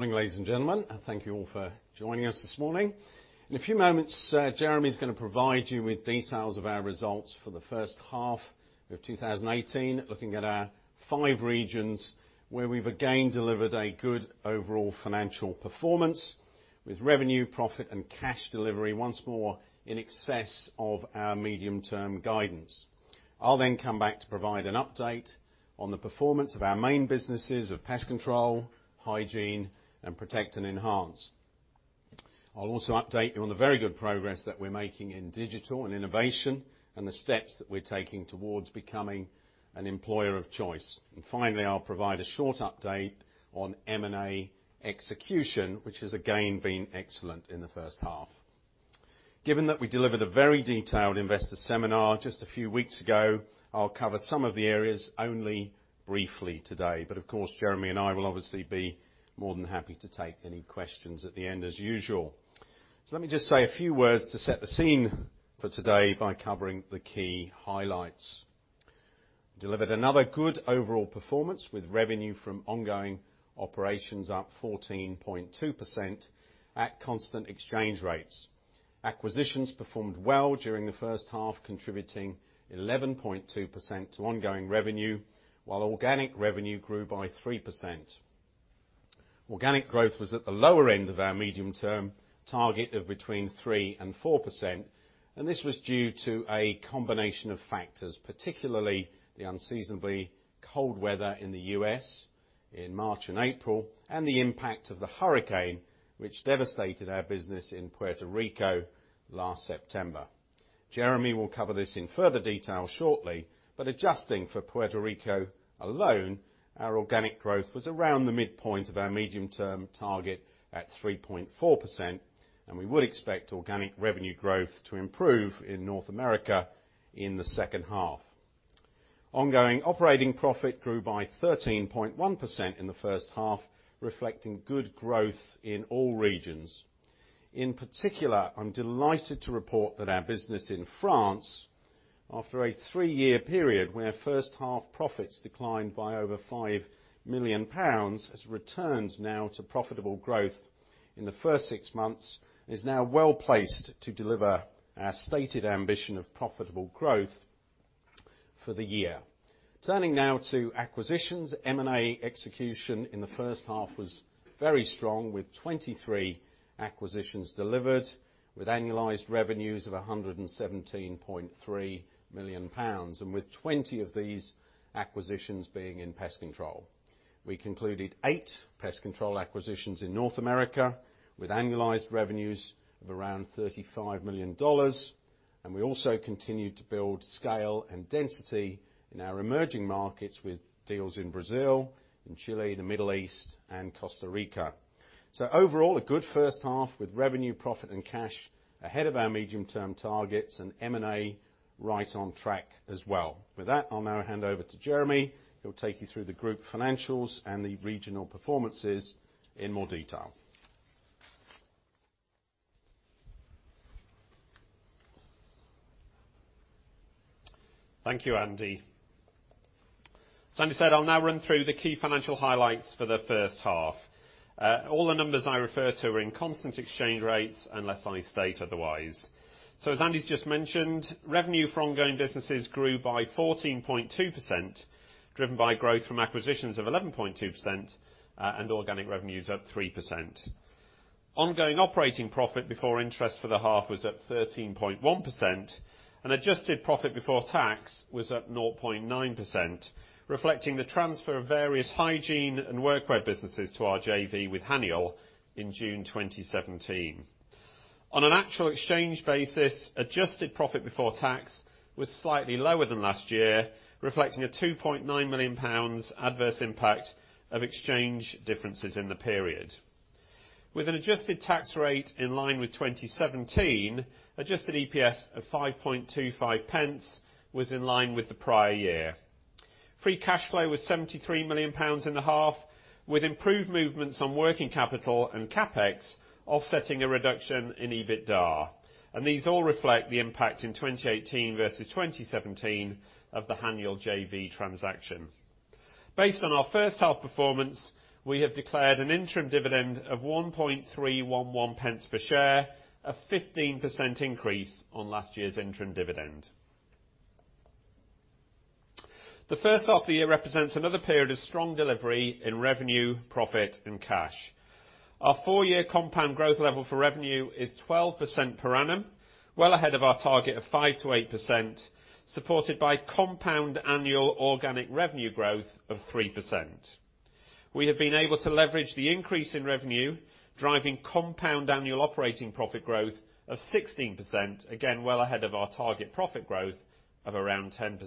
Good morning, ladies and gentlemen, thank you all for joining us this morning. In a few moments, Jeremy's going to provide you with details of our results for the first half of 2018, looking at our five regions where we've again delivered a good overall financial performance, with revenue, profit, and cash delivery once more in excess of our medium-term guidance. I'll then come back to provide an update on the performance of our main businesses of pest control, hygiene, and Protect and Enhance. I'll also update you on the very good progress that we're making in digital and innovation, and the steps that we're taking towards becoming an employer of choice. Finally, I'll provide a short update on M&A execution, which has again been excellent in the first half. Given that we delivered a very detailed investor seminar just a few weeks ago, I'll cover some of the areas only briefly today. Of course, Jeremy and I will obviously be more than happy to take any questions at the end as usual. Let me just say a few words to set the scene for today by covering the key highlights. Delivered another good overall performance with revenue from ongoing operations up 14.2% at constant exchange rates. Acquisitions performed well during the first half, contributing 11.2% to ongoing revenue, while organic revenue grew by 3%. Organic growth was at the lower end of our medium-term target of between 3% and 4%. This was due to a combination of factors, particularly the unseasonably cold weather in the U.S. in March and April, and the impact of Hurricane Irma, which devastated our business in Puerto Rico last September. Jeremy will cover this in further detail shortly. Adjusting for Puerto Rico alone, our organic growth was around the midpoint of our medium-term target at 3.4%. We would expect organic revenue growth to improve in North America in the second half. Ongoing operating profit grew by 13.1% in the first half, reflecting good growth in all regions. In particular, I'm delighted to report that our business in France, after a three-year period where first half profits declined by over 5 million pounds, has returned now to profitable growth in the first six months, is now well-placed to deliver our stated ambition of profitable growth for the year. Turning now to acquisitions, M&A execution in the first half was very strong, with 23 acquisitions delivered, with annualized revenues of 117.3 million pounds. With 20 of these acquisitions being in pest control. We concluded eight pest control acquisitions in North America, with annualized revenues of around $35 million. We also continued to build scale and density in our emerging markets with deals in Brazil, in Chile, the Middle East, and Costa Rica. Overall, a good first half with revenue, profit, and cash ahead of our medium-term targets and M&A right on track as well. With that, I'll now hand over to Jeremy, who'll take you through the group financials and the regional performances in more detail. Thank you, Andy. Andy said, I'll now run through the key financial highlights for the first half. All the numbers I refer to are in constant exchange rates, unless I state otherwise. As Andy's just mentioned, revenue from ongoing businesses grew by 14.2%, driven by growth from acquisitions of 11.2%, and organic revenues up 3%. Ongoing operating profit before interest for the half was up 13.1%, and adjusted profit before tax was up 0.9%, reflecting the transfer of various hygiene and workwear businesses to our JV with Haniel in June 2017. On an actual exchange basis, adjusted profit before tax was slightly lower than last year, reflecting a 2.9 million pounds adverse impact of exchange differences in the period. With an adjusted tax rate in line with 2017, adjusted EPS of 0.0525 was in line with the prior year. Free cash flow was 73 million pounds in the half, with improved movements on working capital and CapEx offsetting a reduction in EBITDA. These all reflect the impact in 2018 versus 2017 of the Haniel JV transaction. Based on our first half performance, we have declared an interim dividend of 0.01311 per share, a 15% increase on last year's interim dividend. The first half of the year represents another period of strong delivery in revenue, profit, and cash. Our four-year compound growth level for revenue is 12% per annum, well ahead of our target of 5%-8%, supported by compound annual organic revenue growth of 3%. We have been able to leverage the increase in revenue, driving compound annual operating profit growth of 16%, again, well ahead of our target profit growth of around 10%.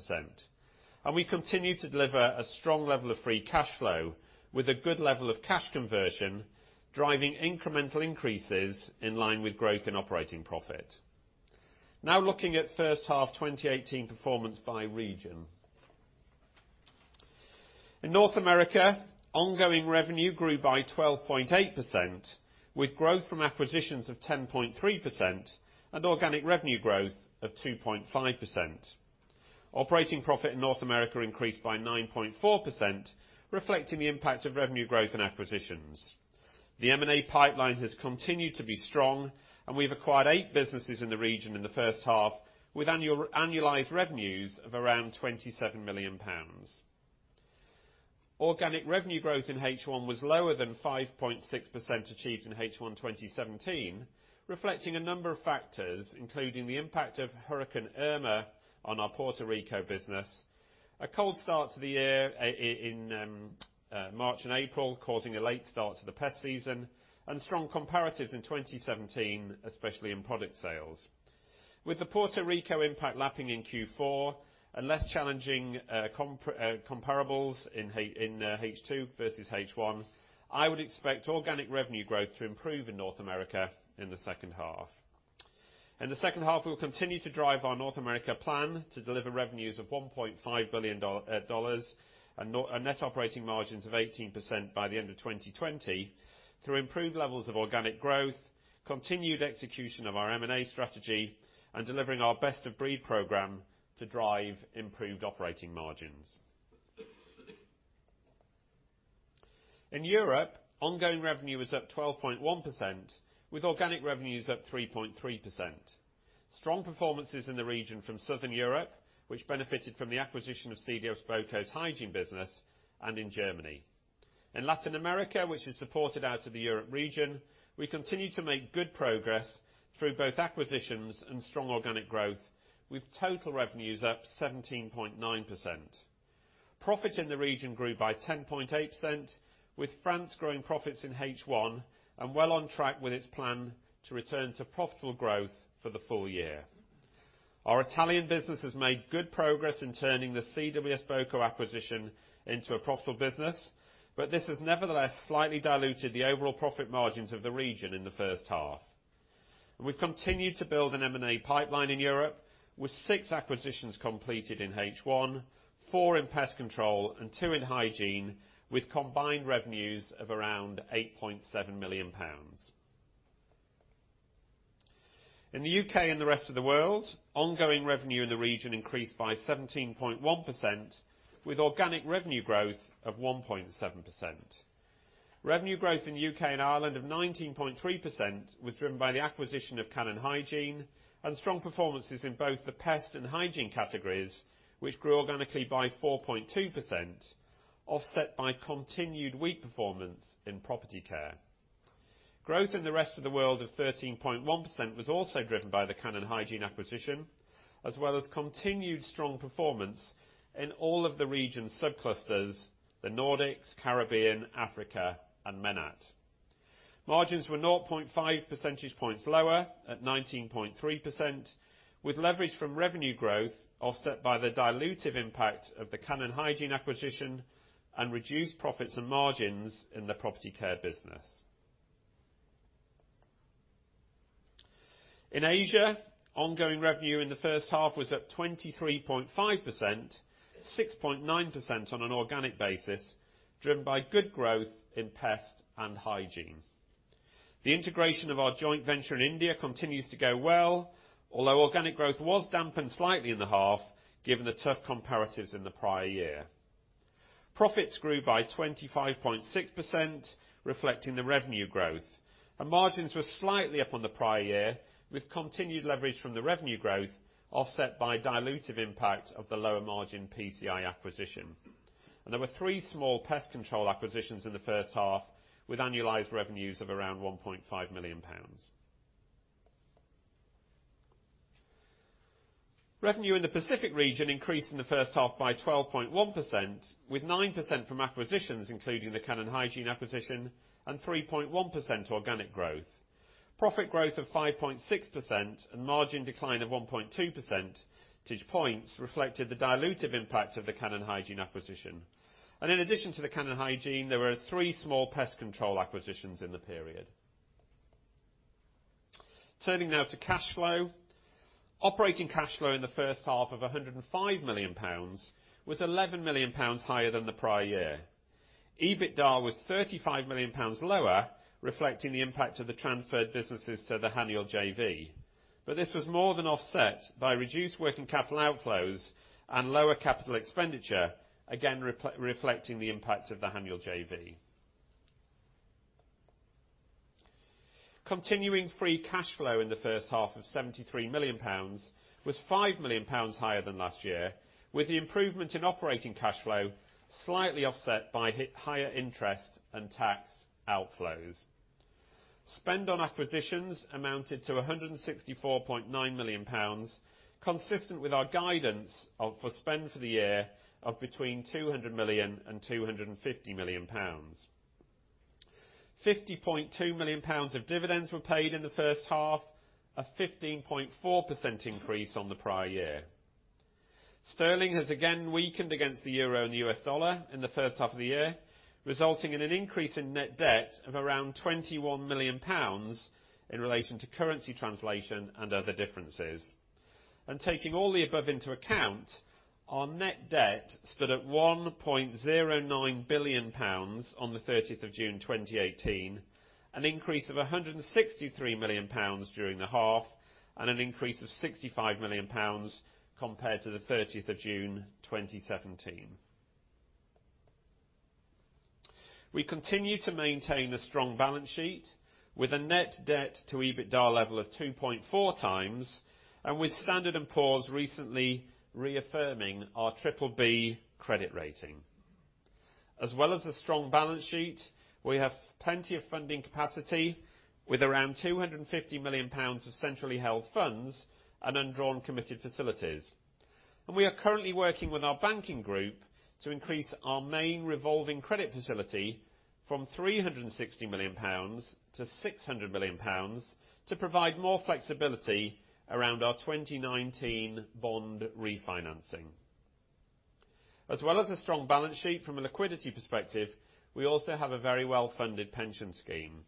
We continue to deliver a strong level of free cash flow, with a good level of cash conversion, driving incremental increases in line with growth in operating profit. Now looking at first half 2018 performance by region. In North America, ongoing revenue grew by 12.8%, with growth from acquisitions of 10.3% and organic revenue growth of 2.5%. Operating profit in North America increased by 9.4%, reflecting the impact of revenue growth in acquisitions. The M&A pipeline has continued to be strong, and we've acquired eight businesses in the region in the first half, with annualized revenues of around 27 million pounds. Organic revenue growth in H1 was lower than 5.6% achieved in H1 2017, reflecting a number of factors, including the impact of Hurricane Irma on our Puerto Rico business, a cold start to the year in March and April, causing a late start to the pest season, and strong comparatives in 2017, especially in product sales. With the Puerto Rico impact lapping in Q4 and less challenging comparables in H2 versus H1, I would expect organic revenue growth to improve in North America in the second half. In the second half, we will continue to drive our North America plan to deliver revenues of $1.5 billion and net operating margins of 18% by the end of 2020, through improved levels of organic growth, continued execution of our M&A strategy, and delivering our Best of Breed program to drive improved operating margins. In Europe, ongoing revenue is up 12.1%, with organic revenues up 3.3%. Strong performances in the region from Southern Europe, which benefited from the acquisition of CWS-boco's hygiene business, and in Germany. In Latin America, which is supported out of the Europe region, we continue to make good progress through both acquisitions and strong organic growth, with total revenues up 17.9%. Profit in the region grew by 10.8%, with France growing profits in H1 and well on track with its plan to return to profitable growth for the full year. Our Italian business has made good progress in turning the CWS-boco acquisition into a profitable business, this has nevertheless slightly diluted the overall profit margins of the region in the first half. We've continued to build an M&A pipeline in Europe, with 6 acquisitions completed in H1, 4 in pest control and 2 in hygiene, with combined revenues of around 8.7 million pounds. In the U.K. and the rest of the world, ongoing revenue in the region increased by 17.1%, with organic revenue growth of 1.7%. Revenue growth in the U.K. and Ireland of 19.3% was driven by the acquisition of Cannon Hygiene and strong performances in both the pest and hygiene categories, which grew organically by 4.2%, offset by continued weak performance in property care. Growth in the rest of the world of 13.1% was also driven by the Cannon Hygiene acquisition, as well as continued strong performance in all of the region subclusters, the Nordics, Caribbean, Africa, and MENAT. Margins were 0.5 percentage points lower at 19.3%, with leverage from revenue growth offset by the dilutive impact of the Cannon Hygiene acquisition and reduced profits and margins in the property care business. In Asia, ongoing revenue in the first half was up 23.5%, 6.9% on an organic basis, driven by good growth in pest and hygiene. The integration of our JV in India continues to go well, although organic growth was dampened slightly in the half given the tough comparatives in the prior year. Profits grew by 25.6%, reflecting the revenue growth. Margins were slightly up on the prior year, with continued leverage from the revenue growth offset by dilutive impact of the lower margin PCI acquisition. There were 3 small pest control acquisitions in the first half, with annualized revenues of around 1.5 million pounds. Revenue in the Pacific region increased in the first half by 12.1%, with 9% from acquisitions, including the Cannon Hygiene acquisition and 3.1% organic growth. Profit growth of 5.6% and margin decline of 1.2 percentage points reflected the dilutive impact of the Cannon Hygiene acquisition. In addition to the Cannon Hygiene, there were 3 small pest control acquisitions in the period. Turning now to cash flow. Operating cash flow in the first half of 105 million pounds was 11 million pounds higher than the prior year. EBITDA was 35 million pounds lower, reflecting the impact of the transferred businesses to the Haniel JV. This was more than offset by reduced working capital outflows and lower capital expenditure, again, reflecting the impact of the Haniel JV. Continuing free cash flow in the first half of GBP 73 million was 5 million pounds higher than last year, with the improvement in operating cash flow slightly offset by higher interest and tax outflows. Spend on acquisitions amounted to 164.9 million pounds, consistent with our guidance for spend for the year of between 200 million and 250 million pounds. 50.2 million pounds of dividends were paid in the first half, a 15.4% increase on the prior year. Sterling has again weakened against the euro and the US dollar in the first half of the year, resulting in an increase in net debt of around 21 million pounds in relation to currency translation and other differences. Taking all the above into account, our net debt stood at GBP 1.09 billion on the 30th of June 2018, an increase of GBP 163 million during the half and an increase of GBP 65 million compared to the 30th of June 2017. We continue to maintain a strong balance sheet with a net debt to EBITDA level of 2.4 times, with Standard & Poor's recently reaffirming our BBB credit rating. As well as a strong balance sheet, we have plenty of funding capacity with around 250 million pounds of centrally held funds and undrawn committed facilities. We are currently working with our banking group to increase our main revolving credit facility from 360 million pounds to 600 million pounds to provide more flexibility around our 2019 bond refinancing. As well as a strong balance sheet from a liquidity perspective, we also have a very well-funded pension scheme.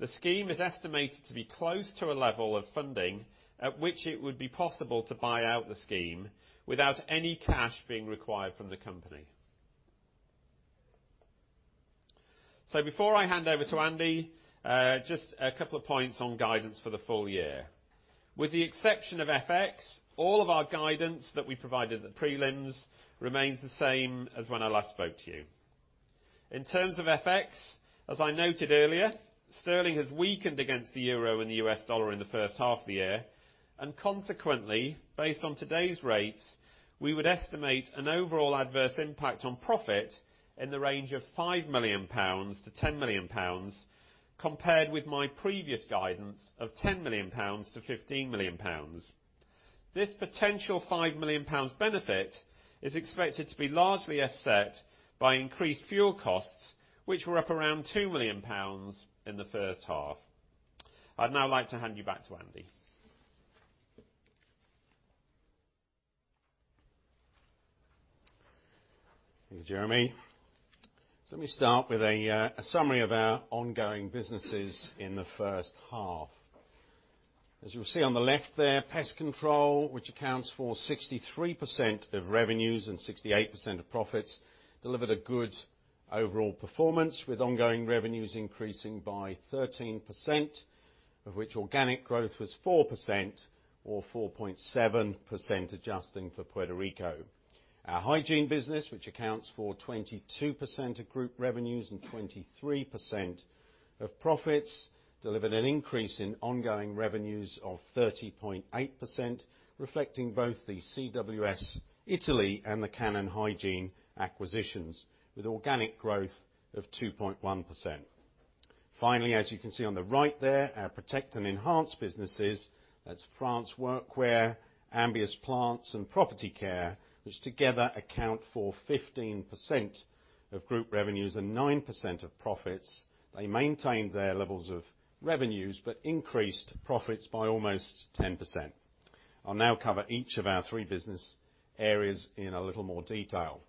The scheme is estimated to be close to a level of funding at which it would be possible to buy out the scheme without any cash being required from the company. Before I hand over to Andy, just a couple of points on guidance for the full year. With the exception of FX, all of our guidance that we provided at the prelims remains the same as when I last spoke to you. In terms of FX, as I noted earlier, sterling has weakened against the euro and the US dollar in the first half of the year. Consequently, based on today's rates, we would estimate an overall adverse impact on profit in the range of 5 million-10 million pounds, compared with my previous guidance of 10 million-15 million pounds. This potential 5 million pounds benefit is expected to be largely offset by increased fuel costs, which were up around 2 million pounds in the first half. I would now like to hand you back to Andy. Thank you, Jeremy. Let me start with a summary of our ongoing businesses in the first half. As you'll see on the left there, pest control, which accounts for 63% of revenues and 68% of profits, delivered a good overall performance with ongoing revenues increasing by 13%, of which organic growth was 4% or 4.7% adjusting for Puerto Rico. Our hygiene business, which accounts for 22% of group revenues and 23% of profits, delivered an increase in ongoing revenues of 30.8%, reflecting both the CWS, Italy, and the Cannon Hygiene acquisitions, with organic growth of 2.1%. As you can see on the right there, our protect and enhance businesses, that's France Workwear, Ambius Plants, and Property Care, which together account for 15% of group revenues and 9% of profits. They maintained their levels of revenues, but increased profits by almost 10%. I'll now cover each of our three business areas in a little more detail.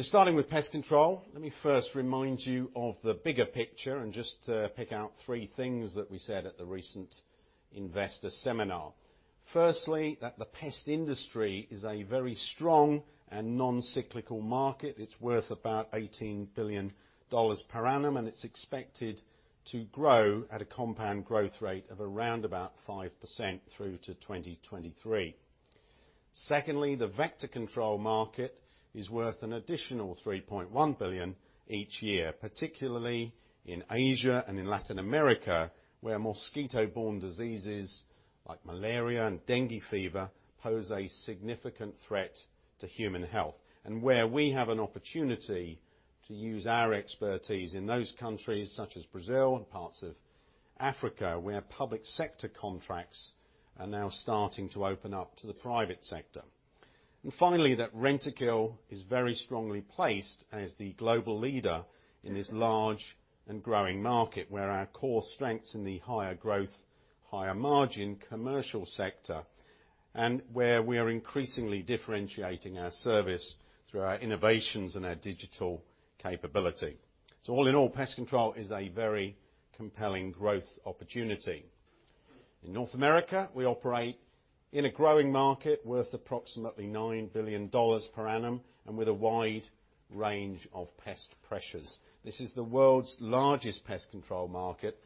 Starting with pest control, let me first remind you of the bigger picture and just pick out three things that we said at the recent investor seminar. Firstly, that the pest industry is a very strong and non-cyclical market. It's worth about $18 billion per annum, and it's expected to grow at a compound growth rate of around about 5% through to 2023. The vector control market is worth an additional $3.1 billion each year, particularly in Asia and in Latin America, where mosquito-borne diseases like malaria and dengue fever pose a significant threat to human health, and where we have an opportunity to use our expertise in those countries such as Brazil and parts of Africa, where public sector contracts are now starting to open up to the private sector. Finally, that Rentokil is very strongly placed as the global leader in this large and growing market where our core strengths in the higher growth, higher margin commercial sector, and where we are increasingly differentiating our service through our innovations and our digital capability. All in all, pest control is a very compelling growth opportunity. In North America, we operate in a growing market worth approximately $9 billion per annum and with a wide range of pest pressures. This is the world's largest pest control market,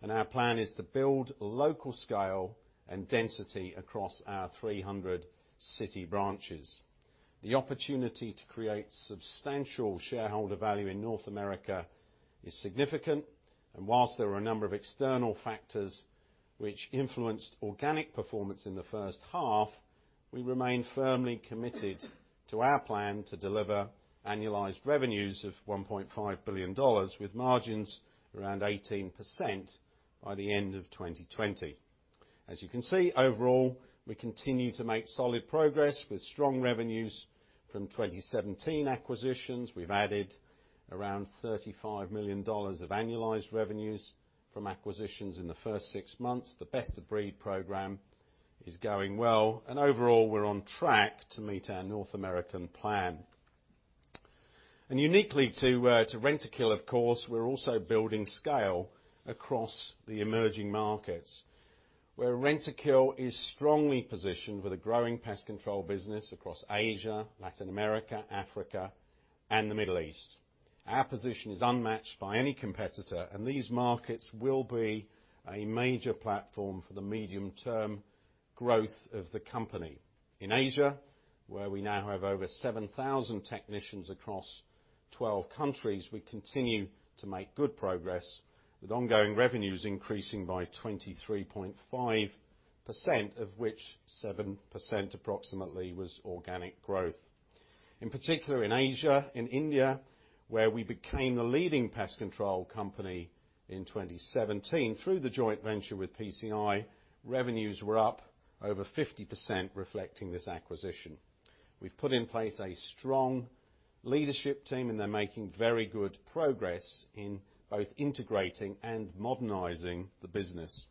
and our plan is to build local scale and density across our 300 city branches. The opportunity to create substantial shareholder value in North America is significant, and whilst there are a number of external factors which influenced organic performance in the first half, we remain firmly committed to our plan to deliver annualized revenues of $1.5 billion with margins around 18% by the end of 2020. As you can see, overall, we continue to make solid progress with strong revenues from 2017 acquisitions. We've added around $35 million of annualized revenues from acquisitions in the first six months. The Best of Breed program is going well, and overall, we're on track to meet our North American plan. Uniquely to Rentokil, of course, we're also building scale across the emerging markets, where Rentokil is strongly positioned with a growing pest control business across Asia, Latin America, Africa, and the Middle East. Our position is unmatched by any competitor, these markets will be a major platform for the medium-term growth of the company. In Asia, where we now have over 7,000 technicians across 12 countries, we continue to make good progress, with ongoing revenues increasing by 23.5%, of which 7% approximately was organic growth. In particular, in Asia, in India, where we became the leading pest control company in 2017 through the joint venture with PCI, revenues were up over 50% reflecting this acquisition. We've put in place a strong leadership team and they're making very good progress in both integrating and modernizing the business.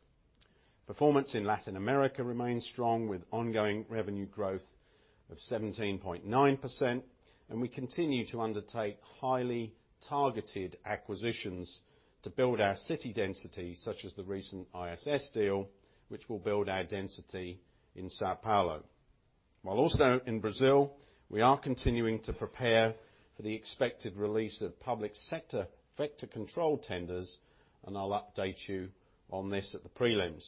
Performance in Latin America remains strong with ongoing revenue growth of 17.9%, and we continue to undertake highly targeted acquisitions to build our city density, such as the recent ISS deal, which will build our density in São Paulo. Also in Brazil, we are continuing to prepare for the expected release of public sector vector control tenders, I'll update you on this at the prelims.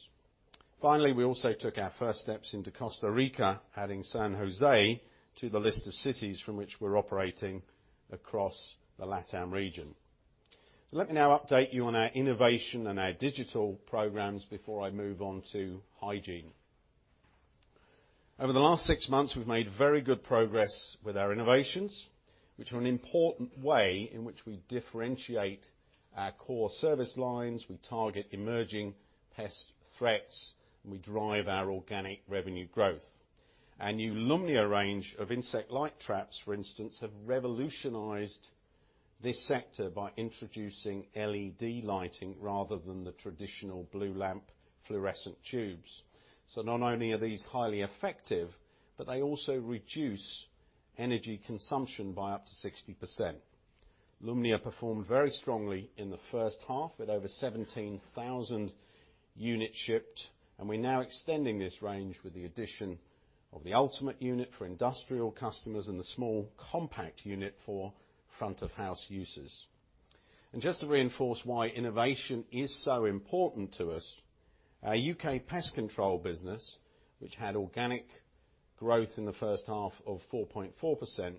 Finally, we also took our first steps into Costa Rica, adding San Jose to the list of cities from which we're operating across the LatAm region. Let me now update you on our innovation and our digital programs before I move on to hygiene. Over the last six months, we've made very good progress with our innovations, which are an important way in which we differentiate our core service lines, we target emerging pest threats, and we drive our organic revenue growth. Our new Lumnia range of insect light traps, for instance, have revolutionized this sector by introducing LED lighting rather than the traditional blue lamp fluorescent tubes. Not only are these highly effective, but they also reduce energy consumption by up to 60%. Lumnia performed very strongly in the first half with over 17,000 units shipped, we're now extending this range with the addition of the Lumnia Ultimate for industrial customers and the small Lumnia Compact for front-of-house users. Just to reinforce why innovation is so important to us, our U.K. Pest Control business, which had organic growth in the first half of 4.4%,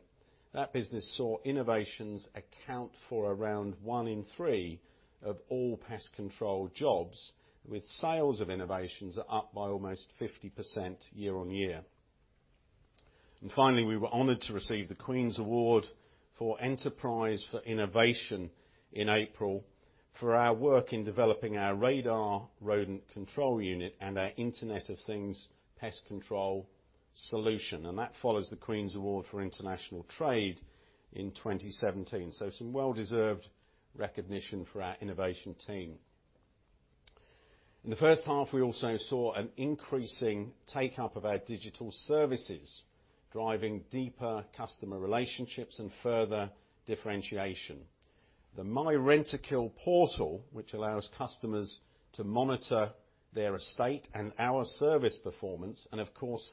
that business saw innovations account for around one in three of all pest control jobs, with sales of innovations up by almost 50% year on year. Finally, we were honored to receive the Queen's Award for Enterprise for Innovation in April for our work in developing our RADAR rodent control unit and our Internet of Things pest control solution. That follows the Queen's Award for International Trade in 2017. Some well-deserved recognition for our innovation team. In the first half, we also saw an increasing take-up of our digital services, driving deeper customer relationships and further differentiation. The myRentokil portal, which allows customers to monitor their estate and our service performance, and of course,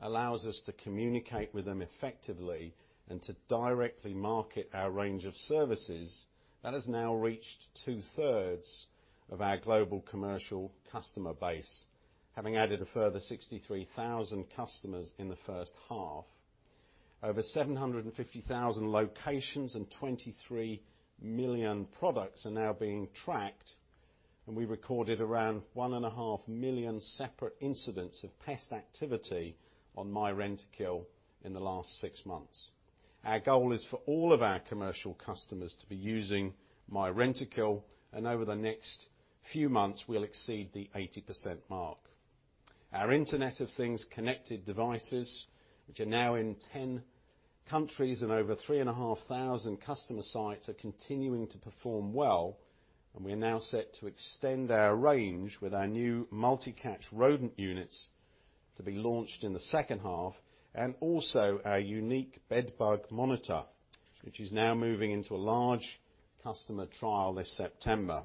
allows us to communicate with them effectively and to directly market our range of services, that has now reached two-thirds of our global commercial customer base, having added a further 63,000 customers in the first half. Over 750,000 locations and 23 million products are now being tracked, and we recorded around 1.5 million separate incidents of pest activity on myRentokil in the last six months. Our goal is for all of our commercial customers to be using myRentokil, and over the next few months, we'll exceed the 80% mark. Our Internet of Things connected devices, which are now in 10 countries and over 3,500 customer sites, are continuing to perform well. We are now set to extend our range with our new Multicatch rodent units to be launched in the second half, and also our unique bed bug monitor, which is now moving into a large customer trial this September.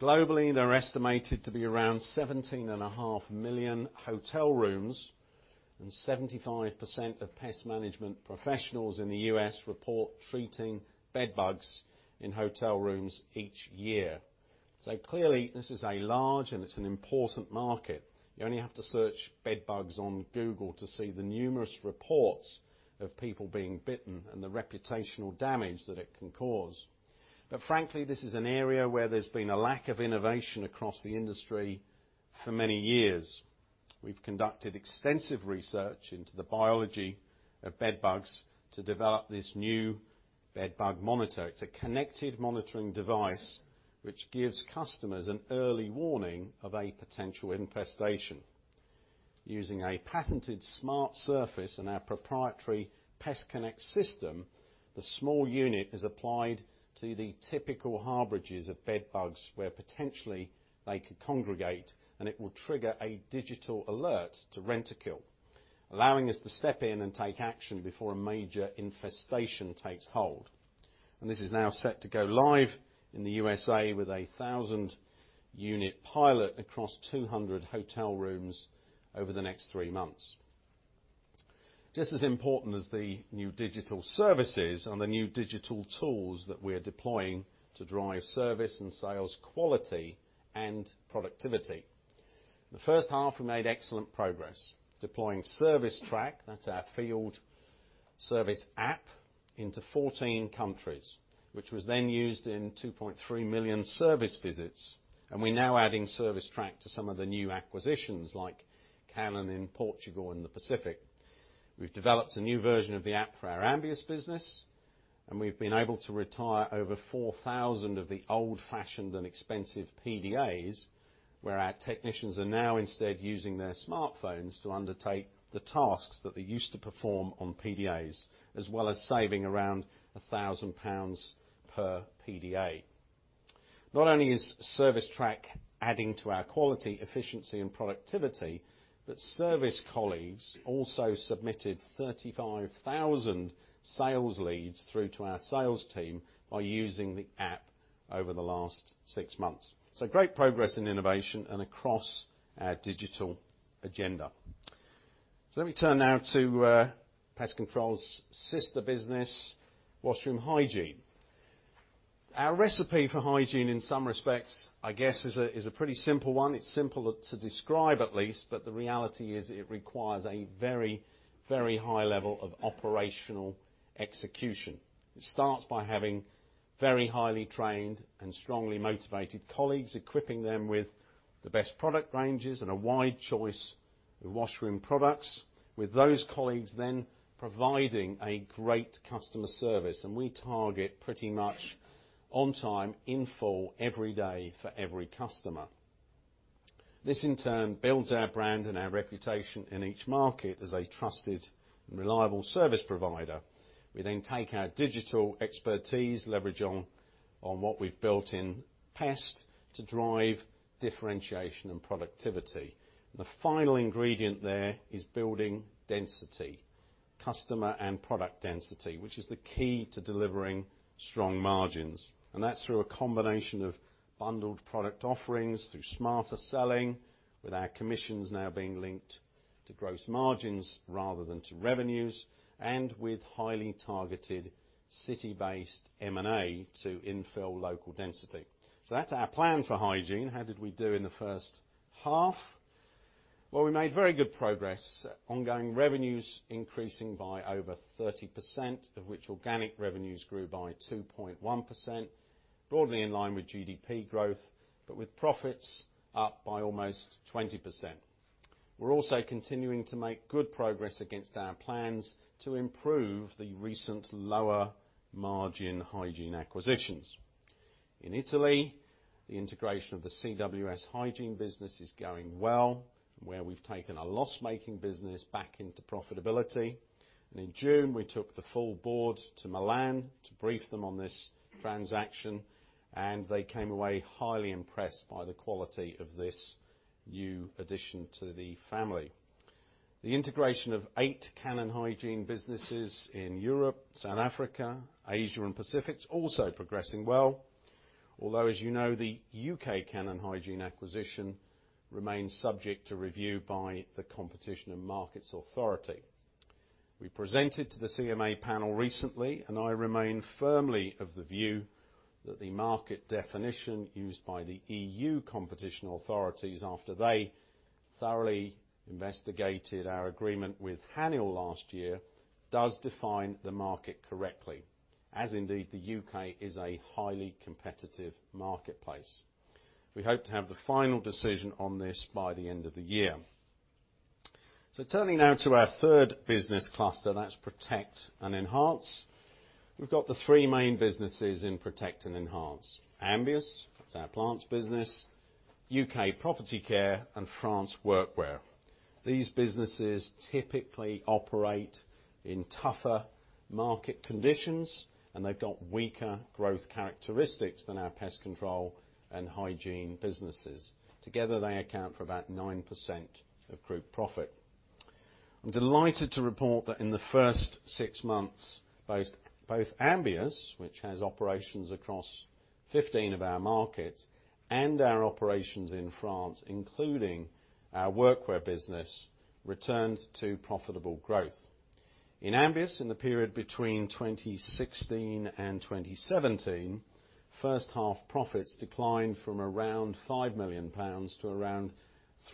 Globally, there are estimated to be around 17.5 million hotel rooms, and 75% of pest management professionals in the U.S. report treating bed bugs in hotel rooms each year. Clearly, this is a large and it is an important market. You only have to search bed bugs on Google to see the numerous reports of people being bitten and the reputational damage that it can cause. Frankly, this is an area where there has been a lack of innovation across the industry for many years. We have conducted extensive research into the biology of bed bugs to develop this new bed bug monitor. It is a connected monitoring device which gives customers an early warning of a potential infestation. Using a patented smart surface and our proprietary PestConnect system, the small unit is applied to the typical harborages of bed bugs, where potentially they could congregate, and it will trigger a digital alert to Rentokil, allowing us to step in and take action before a major infestation takes hold. This is now set to go live in the USA with a 1,000 unit pilot across 200 hotel rooms over the next three months. Just as important as the new digital services and the new digital tools that we are deploying to drive service and sales quality and productivity. In the first half, we made excellent progress deploying Service Track, that is our field service app, into 14 countries, which was then used in 2.3 million service visits. We are now adding Service Track to some of the new acquisitions like Cannon in Portugal and the Pacific. We have developed a new version of the app for our Ambius business, and we have been able to retire over 4,000 of the old-fashioned and expensive PDAs, where our technicians are now instead using their smartphones to undertake the tasks that they used to perform on PDAs, as well as saving around 1,000 pounds per PDA. Not only is Service Track adding to our quality, efficiency, and productivity, but service colleagues also submitted 35,000 sales leads through to our sales team by using the app over the last six months. Great progress in innovation and across our digital agenda. Let me turn now to Pest Control's sister business, Washroom Hygiene. Our recipe for hygiene, in some respects, I guess, is a pretty simple one. It is simple to describe at least, but the reality is it requires a very high level of operational execution. It starts by having very highly trained and strongly motivated colleagues, equipping them with the best product ranges and a wide choice of washroom products with those colleagues then providing a great customer service, and we target pretty much on time, in full, every day, for every customer. This, in turn, builds our brand and our reputation in each market as a trusted and reliable service provider. We then take our digital expertise, leverage on what we have built in Pest to drive differentiation and productivity. The final ingredient there is building density. Customer and product density, which is the key to delivering strong margins. That's through a combination of bundled product offerings, through smarter selling, with our commissions now being linked to gross margins rather than to revenues, with highly targeted city-based M&A to infill local density. That's our plan for hygiene. How did we do in the first half? We made very good progress. Ongoing revenues increasing by over 30%, of which organic revenues grew by 2.1%, broadly in line with GDP growth, with profits up by almost 20%. We're also continuing to make good progress against our plans to improve the recent lower margin hygiene acquisitions. In Italy, the integration of the CWS hygiene business is going well, where we've taken a loss-making business back into profitability. In June, we took the full board to Milan to brief them on this transaction. They came away highly impressed by the quality of this new addition to the family. The integration of eight Cannon Hygiene businesses in Europe, South Africa, Asia, and Pacific is also progressing well. Although, as you know, the U.K. Cannon Hygiene acquisition remains subject to review by the Competition and Markets Authority. We presented to the CMA panel recently. I remain firmly of the view that the market definition used by the EU competition authorities after they thoroughly investigated our agreement with Haniel last year, does define the market correctly, as indeed, the U.K. is a highly competitive marketplace. We hope to have the final decision on this by the end of the year. Turning now to our third business cluster, that's Protect and Enhance. We've got the three main businesses in Protect and Enhance. Ambius, that's our plants business, U.K. Property Care, and France Workwear. These businesses typically operate in tougher market conditions. They've got weaker growth characteristics than our pest control and hygiene businesses. Together, they account for about 9% of group profit. I'm delighted to report that in the first six months, both Ambius, which has operations across 15 of our markets, and our operations in France, including our Workwear business, returned to profitable growth. In Ambius, in the period between 2016 and 2017, first half profits declined from around 5 million pounds to around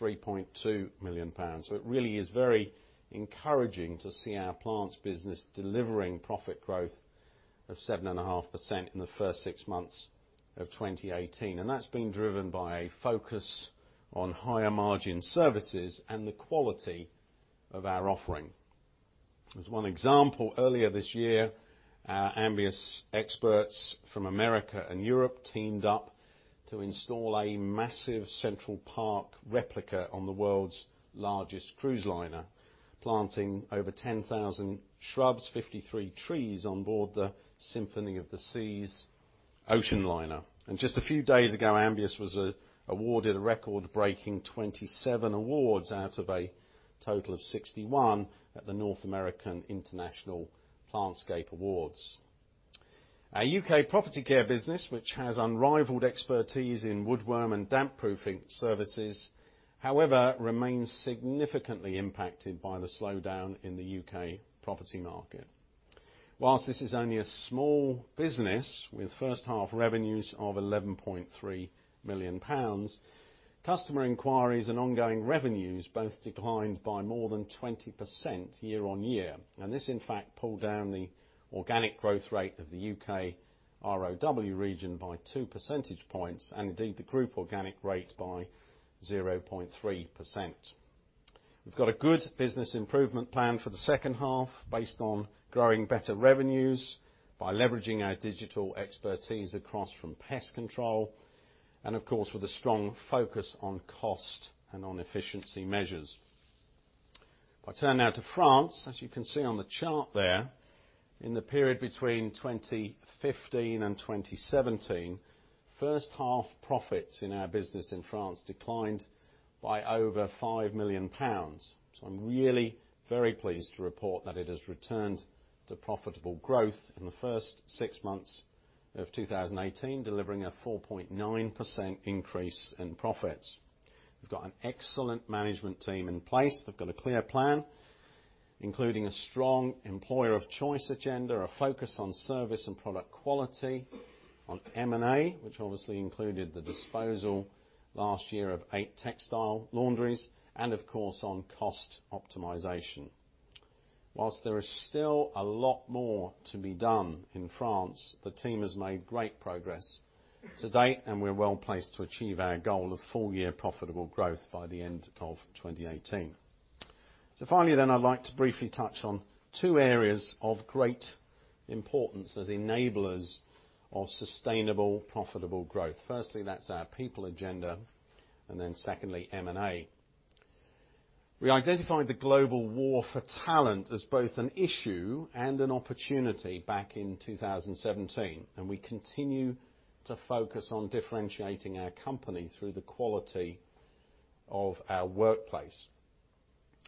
3.2 million pounds. It really is very encouraging to see our plants business delivering profit growth of 7.5% in the first six months of 2018. That's been driven by a focus on higher margin services and the quality of our offering. As one example, earlier this year, our Ambius experts from America and Europe teamed up to install a massive Central Park replica on the world's largest cruise liner, planting over 10,000 shrubs, 53 trees on board the Symphony of the Seas ocean liner. Just a few days ago, Ambius was awarded a record-breaking 27 awards out of a total of 61 at the North American International Plantscape Awards. Our U.K. Property Care business, which has unrivaled expertise in woodworm and damp-proofing services, however, remains significantly impacted by the slowdown in the U.K. property market. Whilst this is only a small business, with first-half revenues of 11.3 million pounds, customer inquiries and ongoing revenues both declined by more than 20% year-on-year. This, in fact, pulled down the organic growth rate of the U.K. ROW region by two percentage points, and indeed, the group organic rate by 0.3%. We've got a good business improvement plan for the second half based on growing better revenues by leveraging our digital expertise across from pest control, and of course, with a strong focus on cost and on efficiency measures. If I turn now to France, as you can see on the chart there, in the period between 2015 and 2017, first-half profits in our business in France declined by over 5 million pounds. I'm really very pleased to report that it has returned to profitable growth in the first six months of 2018, delivering a 4.9% increase in profits. We've got an excellent management team in place. They've got a clear plan, including a strong employer of choice agenda, a focus on service and product quality, on M&A, which obviously included the disposal last year of 8 textile laundries, and of course, on cost optimization. Whilst there is still a lot more to be done in France, the team has made great progress to date, and we're well-placed to achieve our goal of full-year profitable growth by the end of 2018. Finally then, I'd like to briefly touch on two areas of great importance as enablers of sustainable, profitable growth. Firstly, that's our people agenda, and then secondly, M&A. We identified the global war for talent as both an issue and an opportunity back in 2017, and we continue to focus on differentiating our company through the quality of our workplace.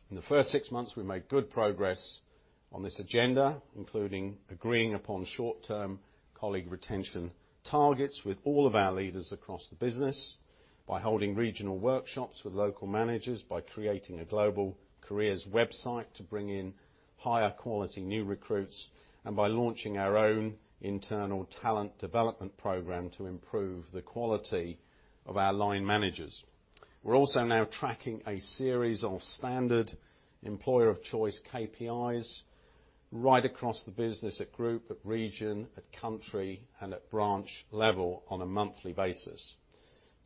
In the first six months, we made good progress on this agenda, including agreeing upon short-term colleague retention targets with all of our leaders across the business by holding regional workshops with local managers, by creating a global careers website to bring in higher quality new recruits, and by launching our own internal talent development program to improve the quality of our line managers. We're also now tracking a series of standard employer of choice KPIs right across the business at group, at region, at country, and at branch level on a monthly basis.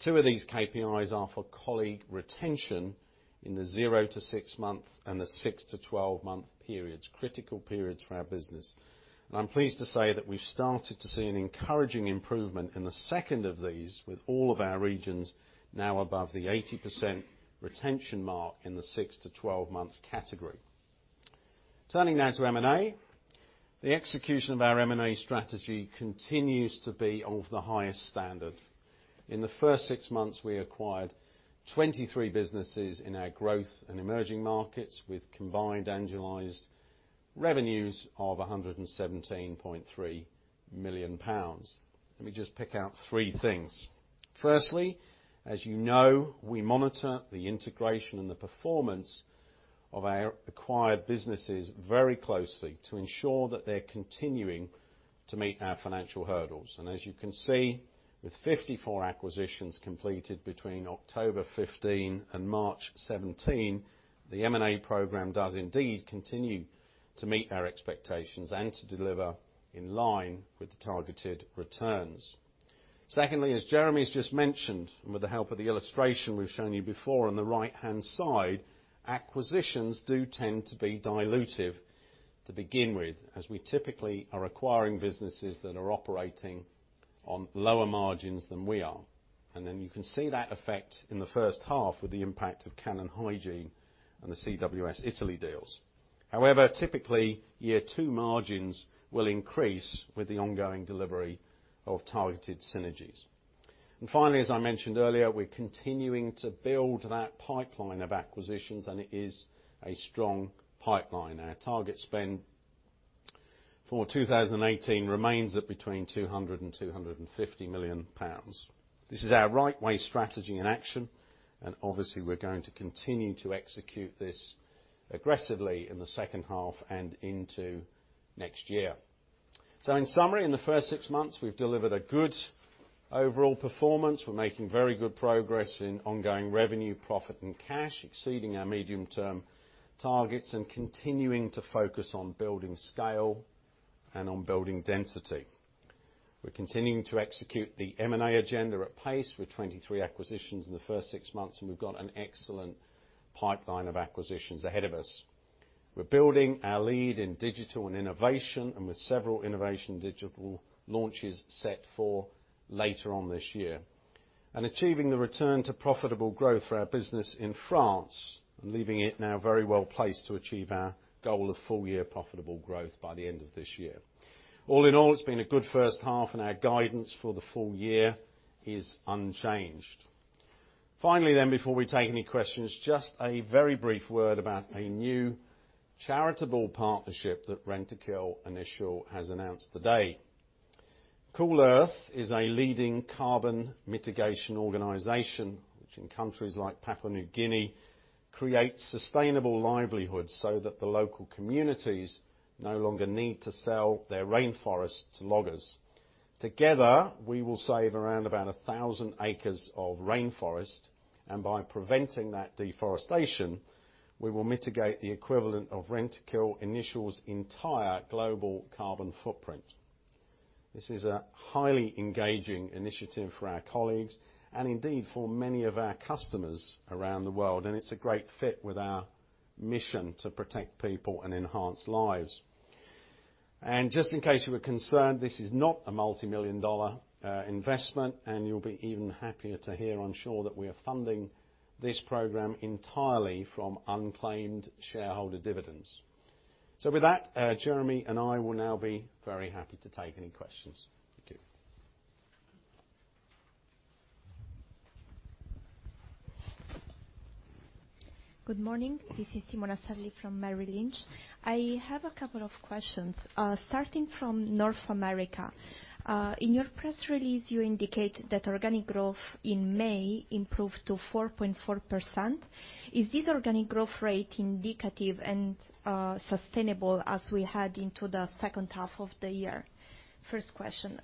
Two of these KPIs are for colleague retention in the zero to six month and the six to 12 month periods, critical periods for our business. I'm pleased to say that we've started to see an encouraging improvement in the second of these with all of our regions now above the 80% retention mark in the six to 12 month category. Turning now to M&A. The execution of our M&A strategy continues to be of the highest standard. In the first six months, we acquired 23 businesses in our growth and emerging markets with combined annualized revenues of 117.3 million pounds. Let me just pick out three things. Firstly, as you know, we monitor the integration and the performance of our acquired businesses very closely to ensure that they're continuing to meet our financial hurdles. As you can see, with 54 acquisitions completed between October 2015 and March 2017, the M&A program does indeed continue to meet our expectations and to deliver in line with the targeted returns. Secondly, as Jeremy's just mentioned, with the help of the illustration we've shown you before on the right-hand side, acquisitions do tend to be dilutive to begin with, as we typically are acquiring businesses that are operating on lower margins than we are. You can see that effect in the first half with the impact of Cannon Hygiene and the CWS Italy deals. However, typically, year two margins will increase with the ongoing delivery of targeted synergies. Finally, as I mentioned earlier, we're continuing to build that pipeline of acquisitions, and it is a strong pipeline. Our target spend for 2018 remains at between 200 million pounds and 250 million pounds. This is our right way strategy in action. Obviously, we're going to continue to execute this aggressively in the second half and into next year. In summary, in the first 6 months, we've delivered a good overall performance. We're making very good progress in ongoing revenue, profit, and cash, exceeding our medium-term targets and continuing to focus on building scale and on building density. We're continuing to execute the M&A agenda at pace with 23 acquisitions in the first 6 months, and we've got an excellent pipeline of acquisitions ahead of us. We're building our lead in digital and innovation, and with several innovation digital launches set for later on this year. Achieving the return to profitable growth for our business in France and leaving it now very well-placed to achieve our goal of full-year profitable growth by the end of this year. All in all, it's been a good first half and our guidance for the full year is unchanged. Finally, then, before we take any questions, just a very brief word about a new charitable partnership that Rentokil Initial has announced today. Cool Earth is a leading carbon mitigation organization, which in countries like Papua New Guinea, creates sustainable livelihoods so that the local communities no longer need to sell their rainforests to loggers. Together, we will save around about 1,000 acres of rainforest, and by preventing that deforestation, we will mitigate the equivalent of Rentokil Initial's entire global carbon footprint. This is a highly engaging initiative for our colleagues and indeed for many of our customers around the world, and it's a great fit with our mission to protect people and enhance lives. Just in case you were concerned, this is not a multimillion-dollar investment, and you'll be even happier to hear, I'm sure, that we are funding this program entirely from unclaimed shareholder dividends. With that, Jeremy and I will now be very happy to take any questions. Thank you. Good morning. This is Simona Sarli from Merrill Lynch. I have a couple of questions. In your press release, you indicate that organic growth in May improved to 4.4%. Is this organic growth rate indicative and sustainable as we head into the second half of the year? First question.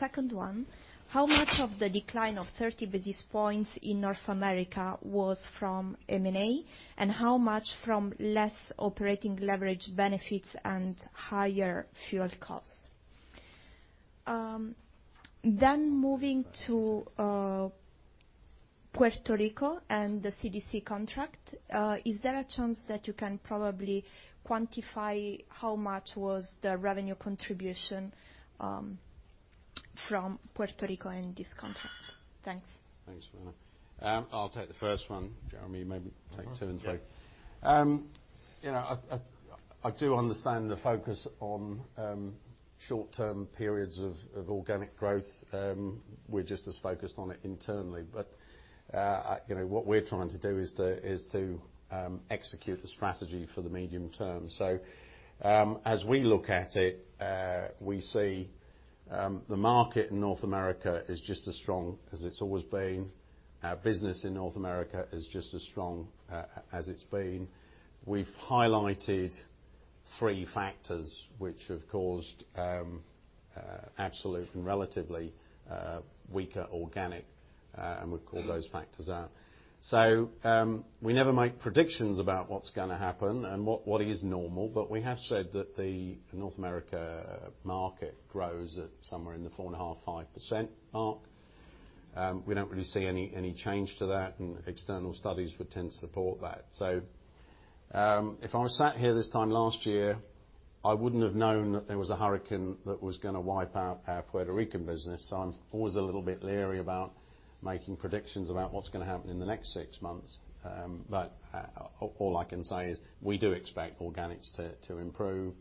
Second one, how much of the decline of 30 basis points in North America was from M&A, and how much from less operating leverage benefits and higher fuel costs? Moving to Puerto Rico and the CDC contract. Is there a chance that you can probably quantify how much was the revenue contribution from Puerto Rico in this contract? Thanks. Thanks. I'll take the first one. Jeremy, maybe take the second. Yeah. I do understand the focus on short-term periods of organic growth. We're just as focused on it internally. What we're trying to do is to execute the strategy for the medium term. As we look at it, we see the market in North America is just as strong as it's always been. Our business in North America is just as strong as it's been. We've highlighted three factors which have caused absolute and relatively weaker organic, and we've called those factors out. We never make predictions about what's going to happen and what is normal. We have said that the North America market grows at somewhere in the 4.5% mark. We don't really see any change to that, and external studies would tend to support that. If I was sat here this time last year, I wouldn't have known that there was a hurricane that was going to wipe out our Puerto Rican business. I'm always a little bit leery about making predictions about what's going to happen in the next six months. All I can say is we do expect organics to improve.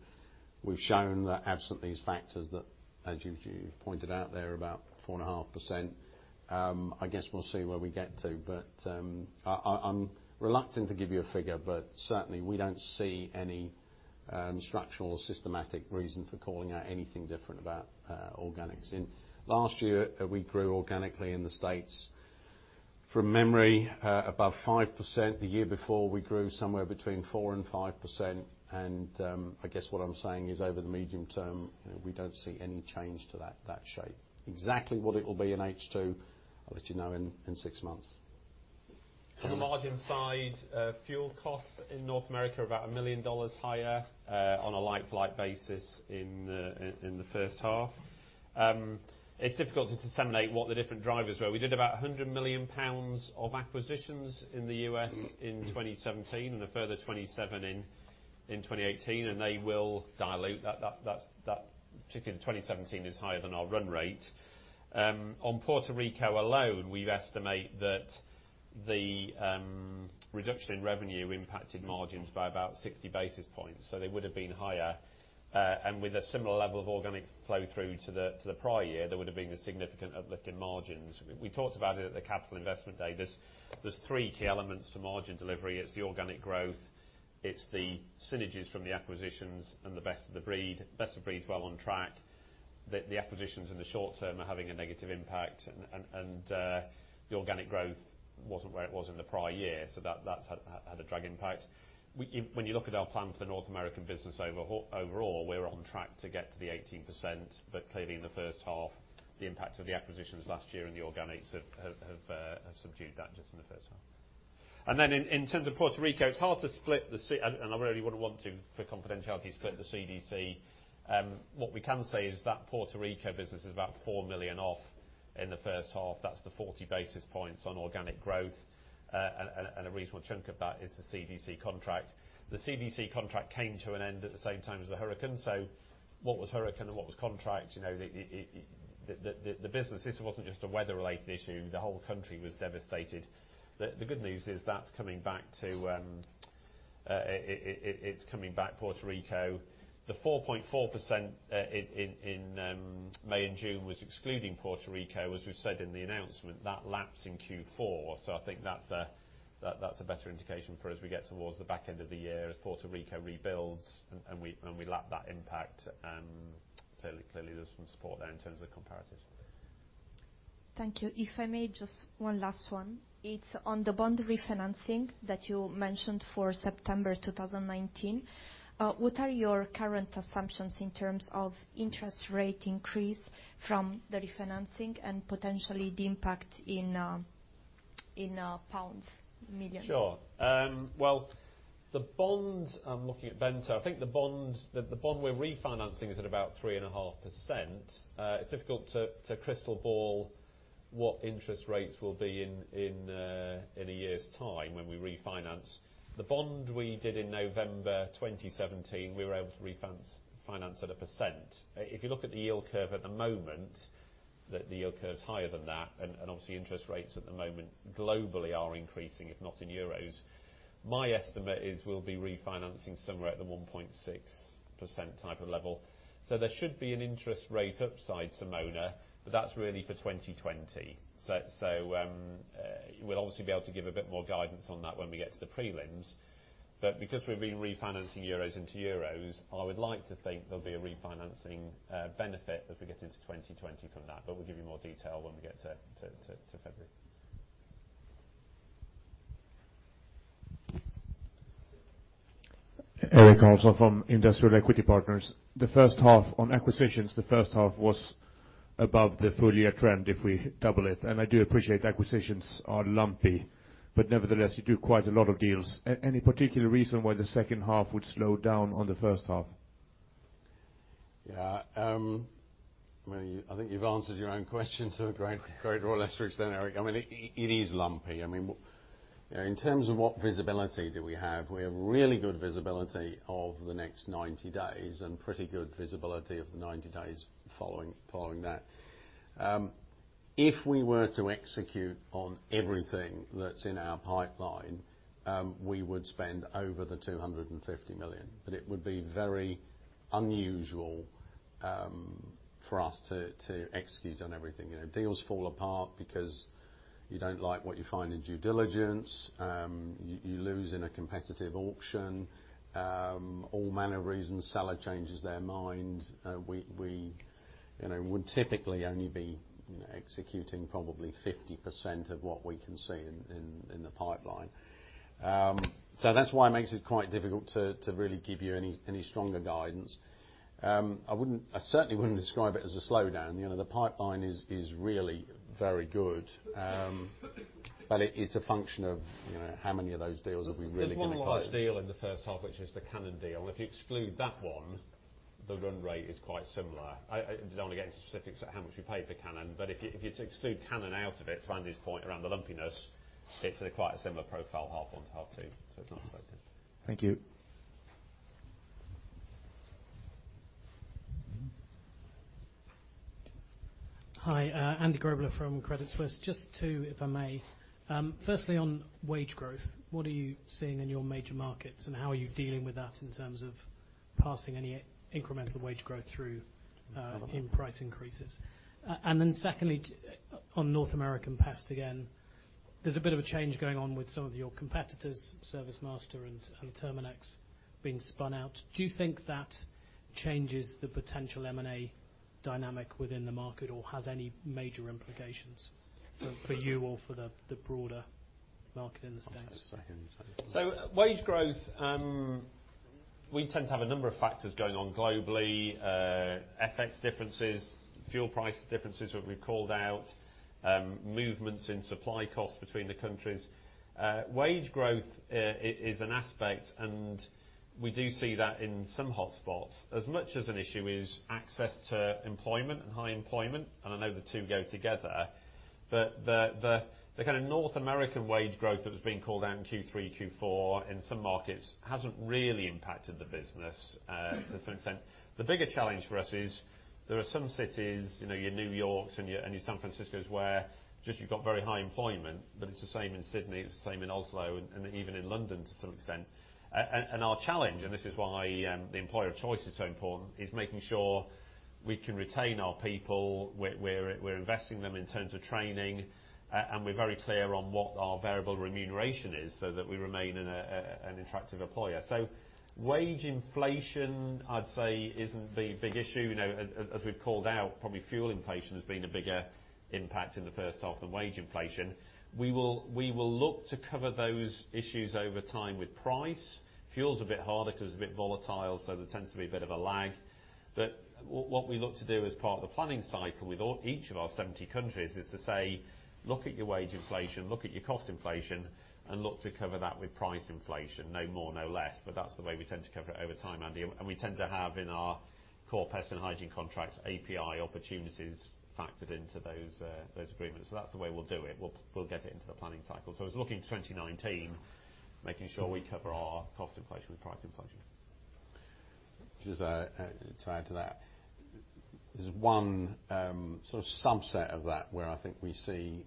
We've shown that absent these factors, that as you pointed out there, about 4.5%. I guess we'll see where we get to. I'm reluctant to give you a figure, but certainly, we don't see any structural or systematic reason for calling out anything different about organics. Last year, we grew organically in the States, from memory, above 5%. The year before we grew somewhere between 4% and 5%. I guess what I'm saying is over the medium term, we don't see any change to that shape. Exactly what it will be in H2, I'll let you know in six months. On the margin side, fuel costs in North America are about GBP 1 million higher on a like-for-like basis in the first half. It's difficult to disseminate what the different drivers were. We did about 100 million pounds of acquisitions in the U.S. in 2017, a further 27 million in 2018, and they will dilute. Particularly in 2017 is higher than our run rate. On Puerto Rico alone, we estimate that the reduction in revenue impacted margins by about 60 basis points, so they would've been higher. With a similar level of organic flow through to the prior year, there would've been a significant uplift in margins. We talked about it at the capital investment day. There's three key elements to margin delivery. It's the organic growth, it's the synergies from the acquisitions, and the best-of-breed. Best-of-breed's well on track. The acquisitions in the short term are having a negative impact, the organic growth wasn't where it was in the prior year. That's had a drag impact. When you look at our plan for the North American business overall, we're on track to get to the 18%, clearly in the first half, the impact of the acquisitions last year and the organics have subdued that just in the first half. In terms of Puerto Rico, it's hard to split, and I really wouldn't want to for confidentiality, split the CDC. What we can say is that Puerto Rico business is about 4 million off in the first half. That's the 40 basis points on organic growth. A reasonable chunk of that is the CDC contract. The CDC contract came to an end at the same time as the hurricane. What was hurricane and what was contract? This wasn't just a weather-related issue. The whole country was devastated. The good news is it's coming back Puerto Rico. The 4.4% in May and June was excluding Puerto Rico, as we've said in the announcement. That laps in Q4, I think that's a better indication for as we get towards the back end of the year as Puerto Rico rebuilds and we lap that impact. Clearly, there's some support there in terms of comparatives. Thank you. If I may, just one last one. It is on the bond refinancing that you mentioned for September 2019. What are your current assumptions in terms of interest rate increase from the refinancing and potentially the impact in pounds millions? Sure. Well, I am looking at Ben. I think the bond we are refinancing is at about 3.5%. It is difficult to crystal ball what interest rates will be in a year's time when we refinance. The bond we did in November 2017, we were able to refinance at 1%. If you look at the yield curve at the moment, the yield curve is higher than that. Obviously, interest rates at the moment globally are increasing, if not in euros. My estimate is we will be refinancing somewhere at the 1.6% type of level. There should be an interest rate upside, Simona, but that is really for 2020. We will obviously be able to give a bit more guidance on that when we get to the prelims. Because we have been refinancing euros into euros, I would like to think there will be a refinancing benefit as we get into 2020 from that. We will give you more detail when we get to February. Eric Carlson from Industrial Equity Partners. On acquisitions, the first half was above the full year trend if we double it. I do appreciate acquisitions are lumpy, but nevertheless, you do quite a lot of deals. Any particular reason why the second half would slow down on the first half? Yeah. I think you've answered your own question to a great or lesser extent, Eric. It is lumpy. In terms of what visibility do we have, we have really good visibility of the next 90 days and pretty good visibility of the 90 days following that. If we were to execute on everything that's in our pipeline, we would spend over 250 million. It would be very unusual for us to execute on everything. Deals fall apart because you don't like what you find in due diligence. You lose in a competitive auction. All manner of reasons. Seller changes their mind. We would typically only be executing probably 50% of what we can see in the pipeline. That's why it makes it quite difficult to really give you any stronger guidance. I certainly wouldn't describe it as a slowdown. The pipeline is really very good. It's a function of how many of those deals have we really going to close. There's one large deal in the first half, which is the Cannon deal. If you exclude that one, the run rate is quite similar. I don't want to get into specifics at how much we paid for Cannon, if you exclude Cannon out of it, to Andy's point around the lumpiness, it's quite a similar profile, half one to half two. It's not affected. Thank you. Hi, Andy Grobler from Credit Suisse. Just two, if I may. Firstly, on wage growth, what are you seeing in your major markets, and how are you dealing with that in terms of passing any incremental wage growth through in price increases? Secondly, on North American pest again, there's a bit of a change going on with some of your competitors, ServiceMaster and Terminix being spun out. Do you think that changes the potential M&A dynamic within the market or has any major implications for you or for the broader market in the U.S.? I'll take the second. Wage growth, we tend to have a number of factors going on globally. FX differences, fuel price differences that we've called out, movements in supply costs between the countries. Wage growth is an aspect, and we do see that in some hotspots. As much as an issue is access to employment and high employment, and I know the two go together, but the kind of North American wage growth that was being called out in Q3, Q4 in some markets hasn't really impacted the business to some extent. The bigger challenge for us is there are some cities, your New Yorks and your San Franciscos, where just you've got very high employment, but it's the same in Sydney, it's the same in Oslo, and even in London to some extent. Our challenge, and this is why the employer of choice is so important, is making sure we can retain our people. We're investing in them in terms of training, and we're very clear on what our variable remuneration is so that we remain an attractive employer. Wage inflation, I'd say, isn't the big issue. As we've called out, probably fuel inflation has been a bigger impact in the first half than wage inflation. We will look to cover those issues over time with price. Fuel's a bit harder because it's a bit volatile, so there tends to be a bit of a lag. What we look to do as part of the planning cycle with each of our 70 countries is to say, "Look at your wage inflation, look at your cost inflation, and look to cover that with price inflation. No more, no less." That's the way we tend to cover it over time, Andy. We tend to have in our core pest and hygiene contracts, API opportunities factored into those agreements. That's the way we'll do it. We'll get it into the planning cycle. It's looking to 2019, making sure we cover our cost inflation with price inflation. Just to add to that. There's one sort of subset of that where I think we see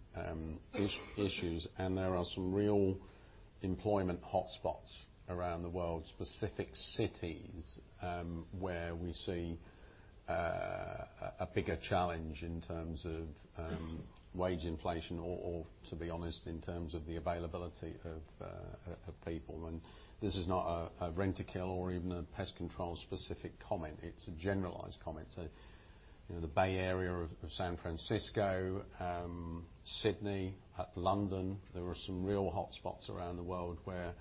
issues. There are some real employment hotspots around the world, specific cities, where we see a bigger challenge in terms of wage inflation or, to be honest, in terms of the availability of people. This is not a Rentokil or even a pest control specific comment, it's a generalized comment. The Bay Area of San Francisco, Sydney, London, there are some real hotspots around the world where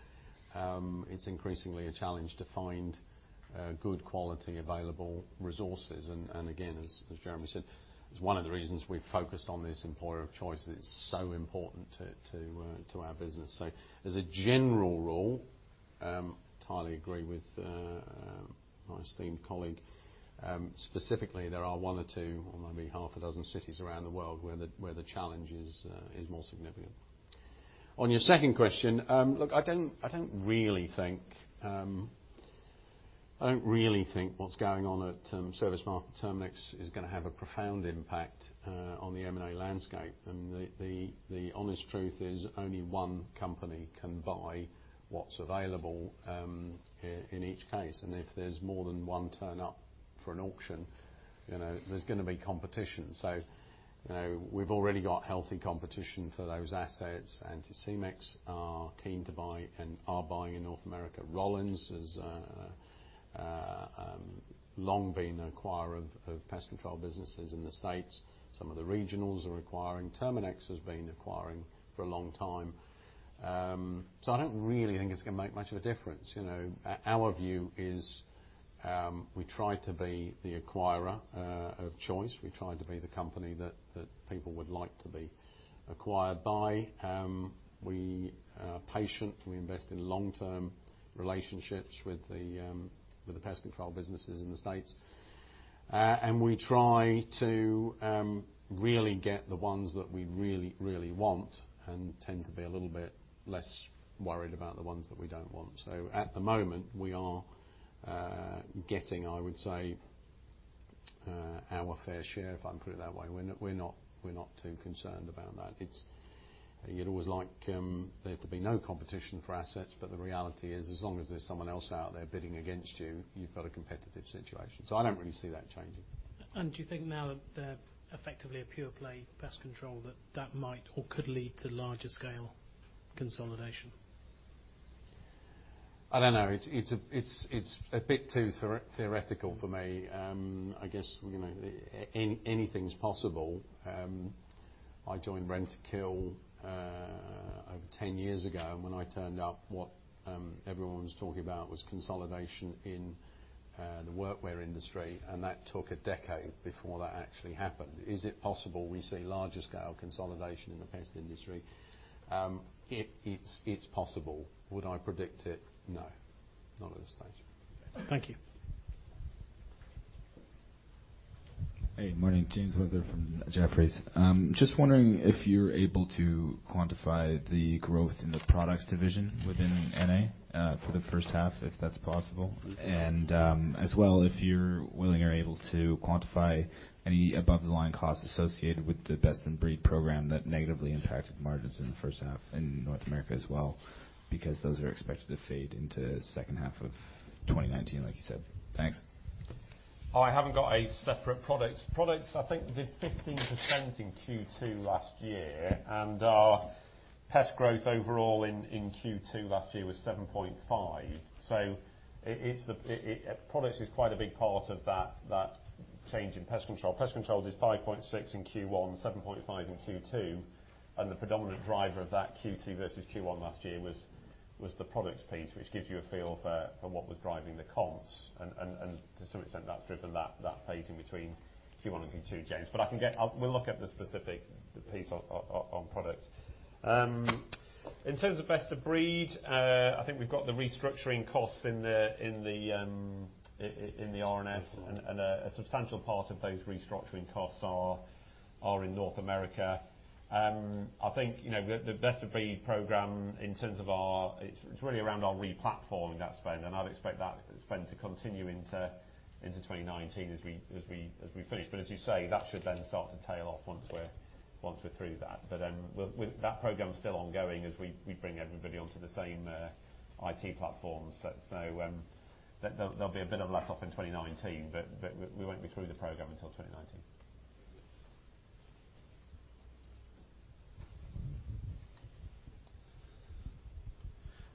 it's increasingly a challenge to find good quality available resources. Again, as Jeremy said, it's one of the reasons we've focused on this employer of choice, is it's so important to our business. As a general rule, entirely agree with my esteemed colleague. Specifically, there are one or 2 or maybe half a dozen cities around the world where the challenge is more significant. On your second question, look, I don't really think what's going on at ServiceMaster Terminix is going to have a profound impact on the M&A landscape. The honest truth is only one company can buy what's available in each case. If there's more than one turn up for an auction, there's going to be competition. We've already got healthy competition for those assets. Anticimex are keen to buy and are buying in North America. Rollins has long been an acquirer of pest control businesses in the States. Some of the regionals are acquiring. Terminix has been acquiring for a long time. I don't really think it's going to make much of a difference. Our view is we try to be the acquirer of choice. We try to be the company that people would like to be acquired by. We are patient. We invest in long-term relationships with the pest control businesses in the States. We try to really get the ones that we really want and tend to be a little bit less worried about the ones that we don't want. At the moment, we are getting, I would say, our fair share, if I can put it that way. We're not too concerned about that. You'd always like there to be no competition for assets, but the reality is, as long as there's someone else out there bidding against you've got a competitive situation. I don't really see that changing. Do you think now that they're effectively a pure play pest control that that might or could lead to larger scale consolidation? I don't know. It's a bit too theoretical for me. I guess anything's possible. I joined Rentokil over 10 years ago. When I turned up, what everyone was talking about was consolidation in the workwear industry, and that took a decade before that actually happened. Is it possible we see larger scale consolidation in the pest industry? It's possible. Would I predict it? No, not at this stage. Thank you. Hey, morning. James Sherwood from Jefferies. Just wondering if you're able to quantify the growth in the products division within NA for the first half, if that's possible. As well, if you're willing or able to quantify any above the line costs associated with the Best of Breed program that negatively impacted margins in the first half in North America as well, because those are expected to fade into second half of 2019, like you said. Thanks. I haven't got a separate products. Products, I think did 15% in Q2 last year. Our pest growth overall in Q2 last year was 7.5%. Products is quite a big part of that change in pest control. Pest control did 5.6% in Q1, 7.5% in Q2. The predominant driver of that Q2 versus Q1 last year was the product piece, which gives you a feel for what was driving the comps. To some extent that's driven that phasing between Q1 and Q2, James. We'll look at the specific piece on product. In terms of Best of Breed, I think we've got the Restructuring costs in the Restructuring. A substantial part of those Restructuring costs are in North America. I think the Best of Breed program it's really around our replatforming that spend. I'd expect that spend to continue into 2019 as we finish. As you say, that should then start to tail off once we're through that. That program's still ongoing as we bring everybody onto the same IT platform. There'll be a bit of a letup in 2019, but we won't be through the program until 2019.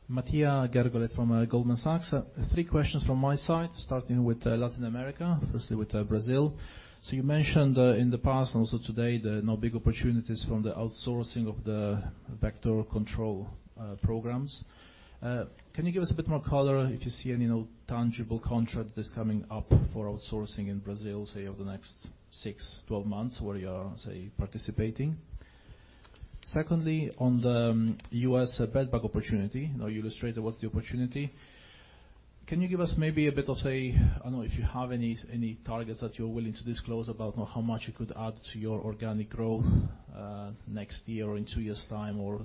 Mattia Colangelo from Goldman Sachs. three questions from my side, starting with Latin America, firstly with Brazil. You mentioned in the past and also today the big opportunities from the outsourcing of the vector control programs. Can you give us a bit more color if you see any tangible contract that's coming up for outsourcing in Brazil, say over the next six, 12 months where you are, say, participating? Secondly, on the U.S. bed bug opportunity, you illustrated what's the opportunity. Can you give us maybe a bit of, I don't know if you have any targets that you're willing to disclose about how much it could add to your organic growth next year or in two years time or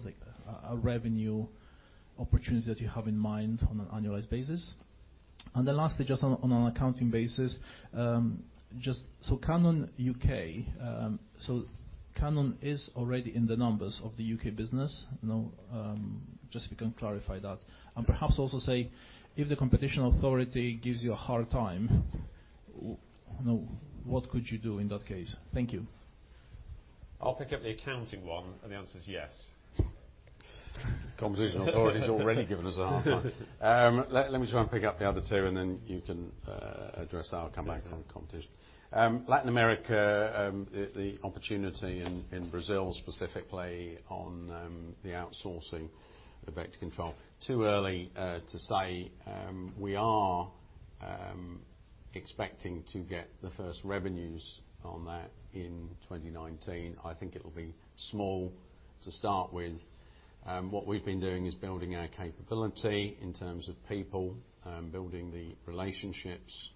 a revenue opportunity that you have in mind on an annualized basis? Lastly, just on an accounting basis. Cannon U.K., Cannon is already in the numbers of the U.K. business? Just if you can clarify that. Perhaps also say, if the competition authority gives you a hard time, what could you do in that case? Thank you. I'll pick up the accounting one. The answer is yes. Competition Authority's already given us a hard time. You can address that. I'll come back on competition. Latin America, the opportunity in Brazil specifically on the outsourcing of vector control. Too early to say. We are expecting to get the first revenues on that in 2019. I think it'll be small to start with. What we've been doing is building our capability in terms of people, building the relationships.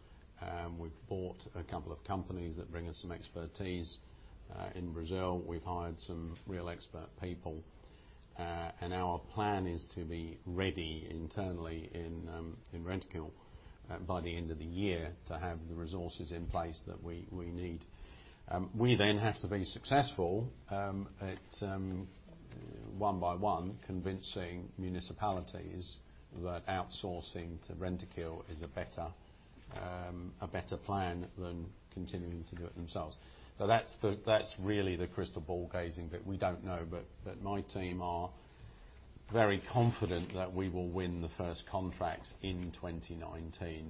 We've bought a couple of companies that bring us some expertise. In Brazil, we've hired some real expert people. Our plan is to be ready internally in Rentokil by the end of the year to have the resources in place that we need. We have to be successful at one by one convincing municipalities that outsourcing to Rentokil is a better plan than continuing to do it themselves. That's really the crystal ball gazing bit. We don't know, but my team are very confident that we will win the first contracts in 2019.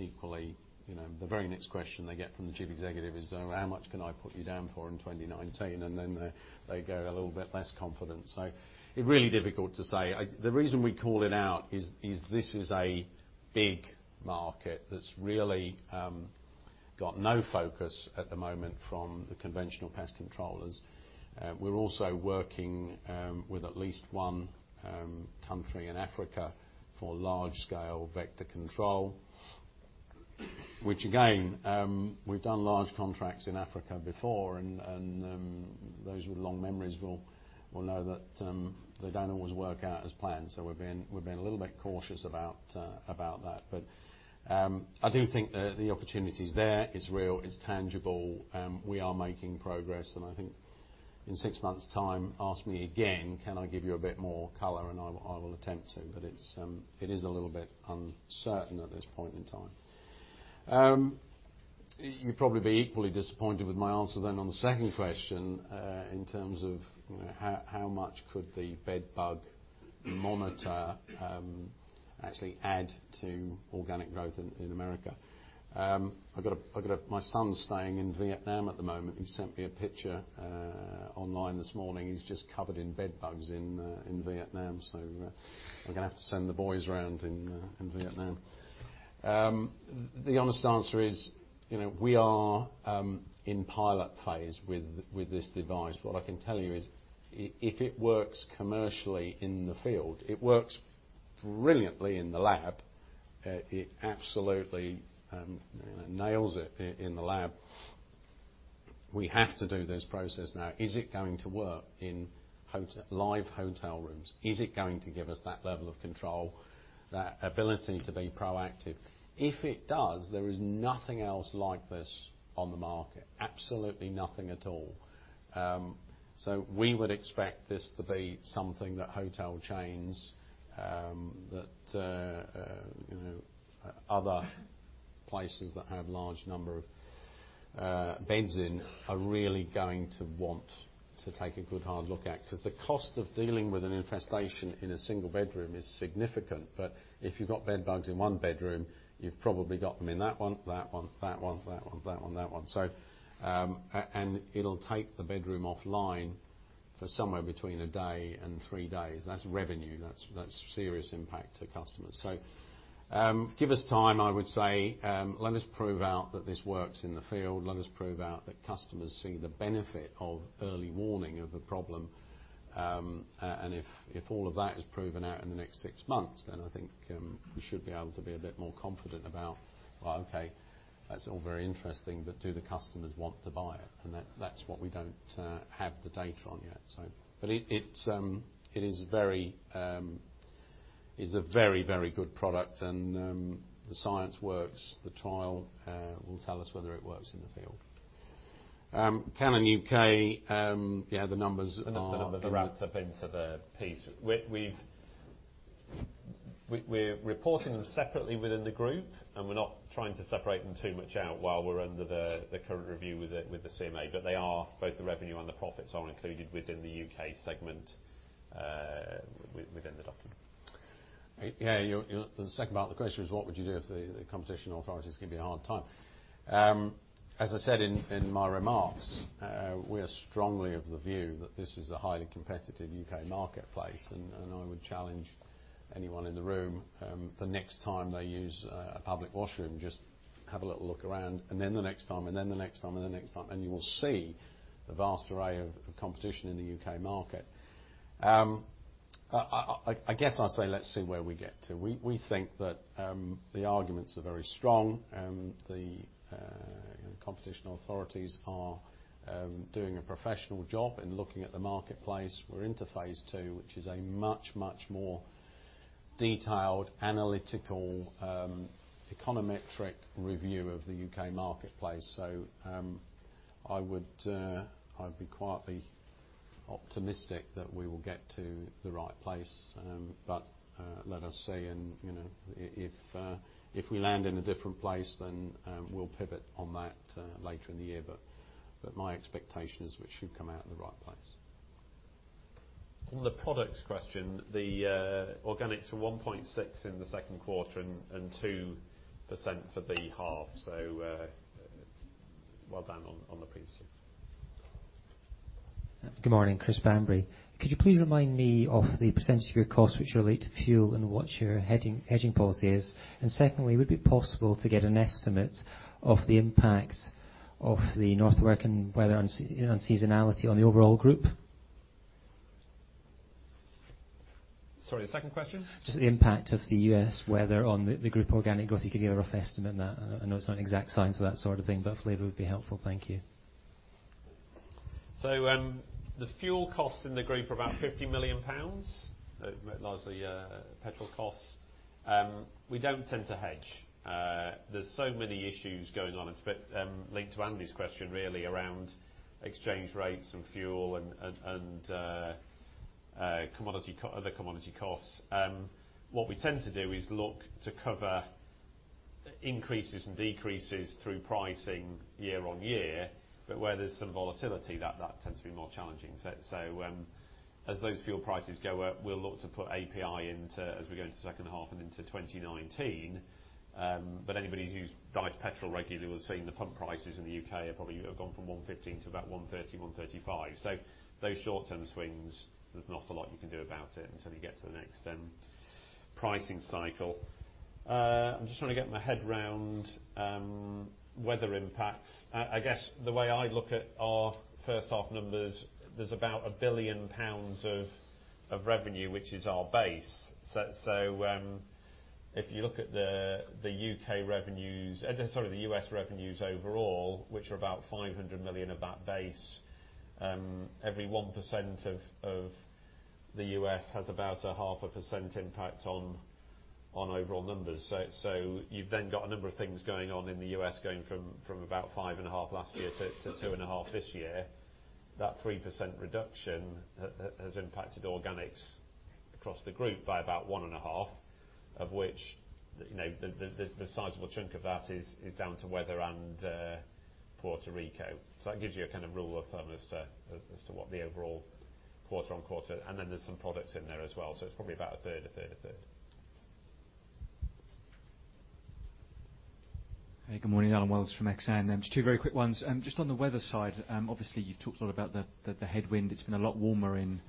Equally, the very next question they get from the chief executive is, "How much can I put you down for in 2019?" They go a little bit less confident. Really difficult to say. The reason we call it out is this is a big market that's really got no focus at the moment from the conventional pest controllers. We're also working with at least one country in Africa for large-scale vector control. Which again, we've done large contracts in Africa before, and those with long memories will know that they don't always work out as planned. We've been a little bit cautious about that. I do think the opportunity's there. It's real. It's tangible. We are making progress, and I think in six months time, ask me again, can I give you a bit more color, and I will attempt to. It is a little bit uncertain at this point in time. You'll probably be equally disappointed with my answer then on the second question, in terms of how much could the bed bug monitor actually add to organic growth in America. My son's staying in Vietnam at the moment. He sent me a picture online this morning. He's just covered in bed bugs in Vietnam. We're going to have to send the boys around in Vietnam. The honest answer is, we are in pilot phase with this device. What I can tell you is, if it works commercially in the field, it works brilliantly in the lab. It absolutely nails it in the lab. We have to do this process now. Is it going to work in live hotel rooms? Is it going to give us that level of control, that ability to be proactive? If it does, there is nothing else like this on the market. Absolutely nothing at all. We would expect this to be something that hotel chains, that other places that have large number of beds in are really going to want to take a good hard look at. Because the cost of dealing with an infestation in a single bedroom is significant. If you've got bed bugs in one bedroom, you've probably got them in that one, that one, that one, that one, that one, that one. It'll take the bedroom offline for somewhere between a day and three days. That's revenue. That's serious impact to customers. Give us time, I would say. Let us prove out that this works in the field. Let us prove out that customers see the benefit of early warning of a problem. If all of that is proven out in the next six months, then I think we should be able to be a bit more confident about, okay, that's all very interesting, do the customers want to buy it? That's what we don't have the data on yet. It is a very good product, and the science works. The trial will tell us whether it works in the field. Cannon U.K., yeah. The numbers are wrapped up into the piece. We're reporting them separately within the group, we're not trying to separate them too much out while we're under the current review with the CMA. They are, both the revenue and the profits are included within the U.K. segment within the document. Yeah. The second part of the question was what would you do if the competition authorities give you a hard time? As I said in my remarks, we are strongly of the view that this is a highly competitive U.K. marketplace. I would challenge anyone in the room the next time they use a public washroom. Just have a little look around. Then the next time, then the next time, then the next time. You will see the vast array of competition in the U.K. market. I guess I say let's see where we get to. We think that the arguments are very strong. The competition authorities are doing a professional job in looking at the marketplace. We're into phase II, which is a much, much more detailed analytical, econometric review of the U.K. marketplace. I would be quietly optimistic that we will get to the right place. Let us see. If we land in a different place, then we'll pivot on that later in the year. My expectation is we should come out in the right place. On the products question, the organics were 1.6% in the second quarter and 2% for the half. Well done on the previous. Good morning. Chris Banbury. Could you please remind me of the percentage of your costs which relate to fuel and what your hedging policy is? Secondly, would it be possible to get an estimate of the impact of the North American weather and seasonality on the overall group? Sorry, the second question. Just the impact of the U.S. weather on the group organic growth, you could give me a rough estimate on that. I know it's not an exact science, that sort of thing, but a flavor would be helpful. Thank you. The fuel costs in the group are about 50 million pounds, largely petrol costs. We don't tend to hedge. There's so many issues going on, it's a bit linked to Andy's question really, around exchange rates and fuel and other commodity costs. What we tend to do is look to cover increases and decreases through pricing year-on-year, but where there's some volatility, that tends to be more challenging. As those fuel prices go up, we'll look to put API in as we go into second half and into 2019. Anybody who's buys petrol regularly will have seen the pump prices in the U.K. have probably gone from 115 to about 130-135. Those short-term swings, there's not a lot you can do about it until you get to the next pricing cycle. I'm just trying to get my head around weather impacts. I guess the way I look at our first half numbers, there's about 1 billion pounds of revenue, which is our base. If you look at the U.S. revenues overall, which are about 500 million of that base, every 1% of the U.S. has about a 0.5% impact on overall numbers. You've then got a number of things going on in the U.S. going from about 5.5 last year to 2.5 this year. That 3% reduction has impacted organics across the group by about 1.5, of which the sizable chunk of that is down to weather and Puerto Rico. That gives you a kind of rule of thumb as to what the overall quarter-on-quarter, and then there's some products in there as well. It's probably about a third, a third, a third. Good morning. Alan Wells from Exane. Just two very quick ones. Just on the weather side, obviously you've talked a lot about the headwind. It's been a lot warmer in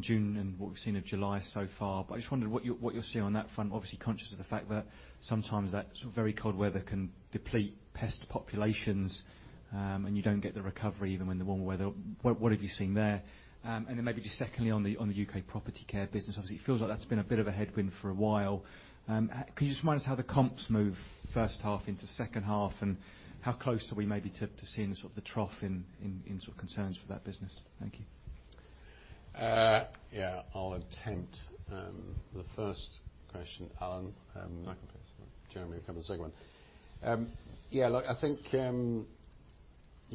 June and what we've seen of July so far. I just wondered what you're seeing on that front. Obviously conscious of the fact that sometimes that very cold weather can deplete pest populations, and you don't get the recovery even when the warmer weather. What have you seen there? Then maybe just secondly, on the U.K. Property Care business, obviously it feels like that's been a bit of a headwind for a while. Can you just remind us how the comps move first half into second half, and how close are we maybe to seeing the trough in sort of concerns for that business? Thank you. Yeah, I'll attempt the first question, Alan. No complaints. Jeremy can have the second one. Yeah, look, I think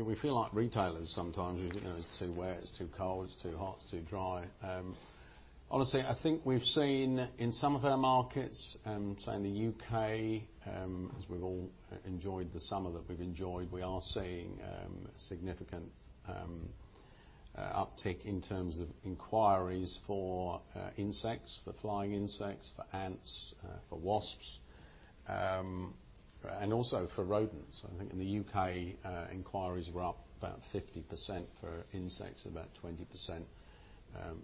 we feel like retailers sometimes. It's too wet, it's too cold, it's too hot, it's too dry. Honestly, I think we've seen in some of our markets, say in the U.K., as we've all enjoyed the summer that we've enjoyed, we are seeing significant uptick in terms of inquiries for insects, for flying insects, for ants, for wasps, and also for rodents. I think in the U.K., inquiries were up about 50% for insects, about 20%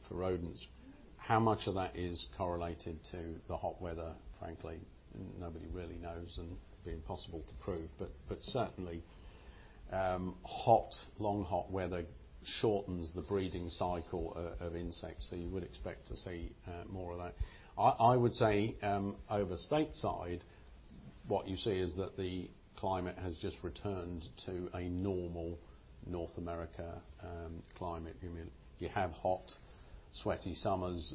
for rodents. How much of that is correlated to the hot weather? Frankly, nobody really knows and be impossible to prove, but certainly, long, hot weather shortens the breeding cycle of insects, so you would expect to see more of that. I would say, over stateside, what you see is that the climate has just returned to a normal North America climate. You have hot, sweaty summers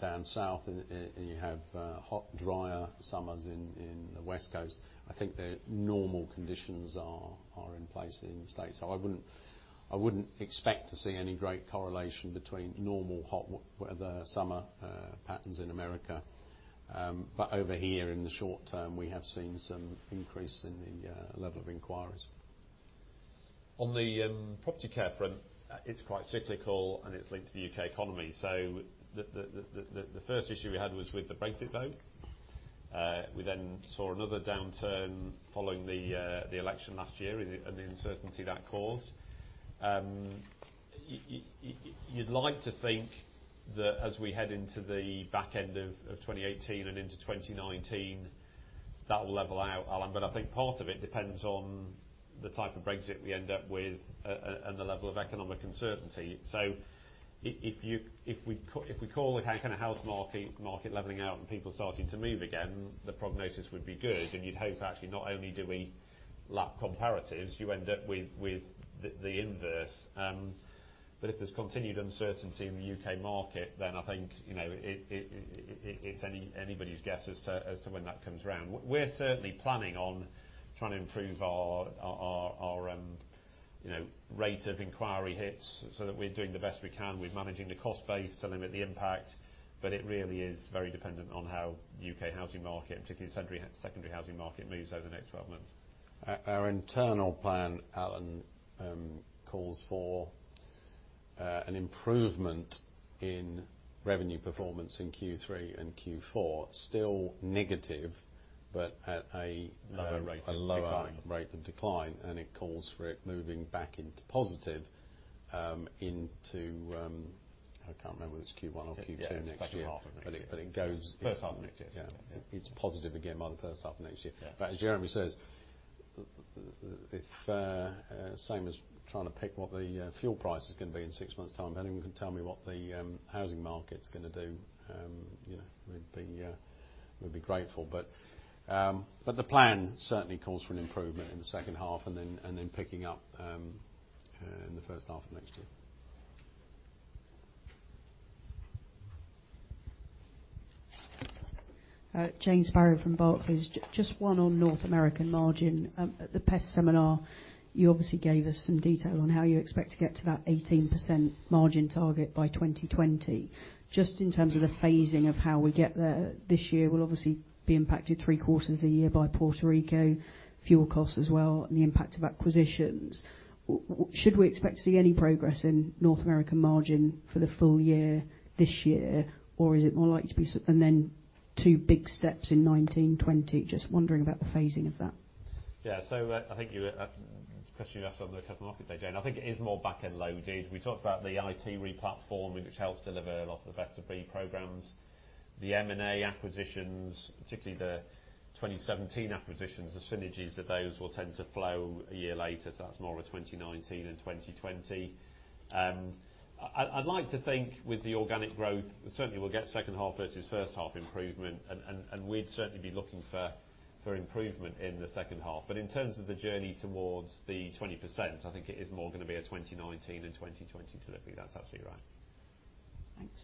down South, and you have hot, drier summers in the West Coast. I think their normal conditions are in place in the States. I wouldn't expect to see any great correlation between normal hot weather, summer patterns in America. Over here, in the short term, we have seen some increase in the level of inquiries. On the Property Care front, it's quite cyclical, and it's linked to the U.K. economy. The first issue we had was with the Brexit vote. We then saw another downturn following the election last year and the uncertainty that caused. You'd like to think that as we head into the back end of 2018 and into 2019 That will level out, Alan, I think part of it depends on the type of Brexit we end up with and the level of economic uncertainty. If we call the kind of house market leveling out and people starting to move again, the prognosis would be good, and you'd hope actually not only do we lap comparatives, you end up with the inverse. If there's continued uncertainty in the U.K. market, then I think, it's anybody's guess as to when that comes around. We're certainly planning on trying to improve our rate of inquiry hits so that we're doing the best we can with managing the cost base to limit the impact, but it really is very dependent on how the U.K. housing market, particularly secondary housing market, moves over the next 12 months. Our internal plan, Alan, calls for an improvement in revenue performance in Q3 and Q4. Still negative, but at a Lower rate of decline a lower rate of decline. It calls for it moving back into positive into, I can't remember whether it's Q1 or Q2 next year. Yeah, second half of next year. It goes- First half of next year. Yeah. It's positive again by the first half of next year. Yeah. As Jeremy says, the same as trying to pick what the fuel price is going to be in six months' time. If anyone can tell me what the housing market's going to do, we'd be grateful. The plan certainly calls for an improvement in the second half and then picking up in the first half of next year. Jane Sparrow from Barclays. Just one on North American margin. At the Pest seminar, you obviously gave us some detail on how you expect to get to that 18% margin target by 2020. Just in terms of the phasing of how we get there this year, we'll obviously be impacted 3 quarters a year by Puerto Rico fuel costs as well, and the impact of acquisitions. Should we expect to see any progress in North American margin for the full year this year? Or is it more likely to be and then two big steps in 2019, 2020? Just wondering about the phasing of that. I think that question you asked on the customer markets there, Jane. I think it is more back-end loaded. We talked about the IT replatform, which helps deliver a lot of the best-of-breed programs. The M&A acquisitions, particularly the 2017 acquisitions, the synergies of those will tend to flow a year later. That's more a 2019 and 2020. I'd like to think with the organic growth, certainly we'll get second half versus first half improvement and we'd certainly be looking for improvement in the second half. In terms of the journey towards the 20%, I think it is more going to be a 2019 and 2020 delivery. That's absolutely right. Thanks.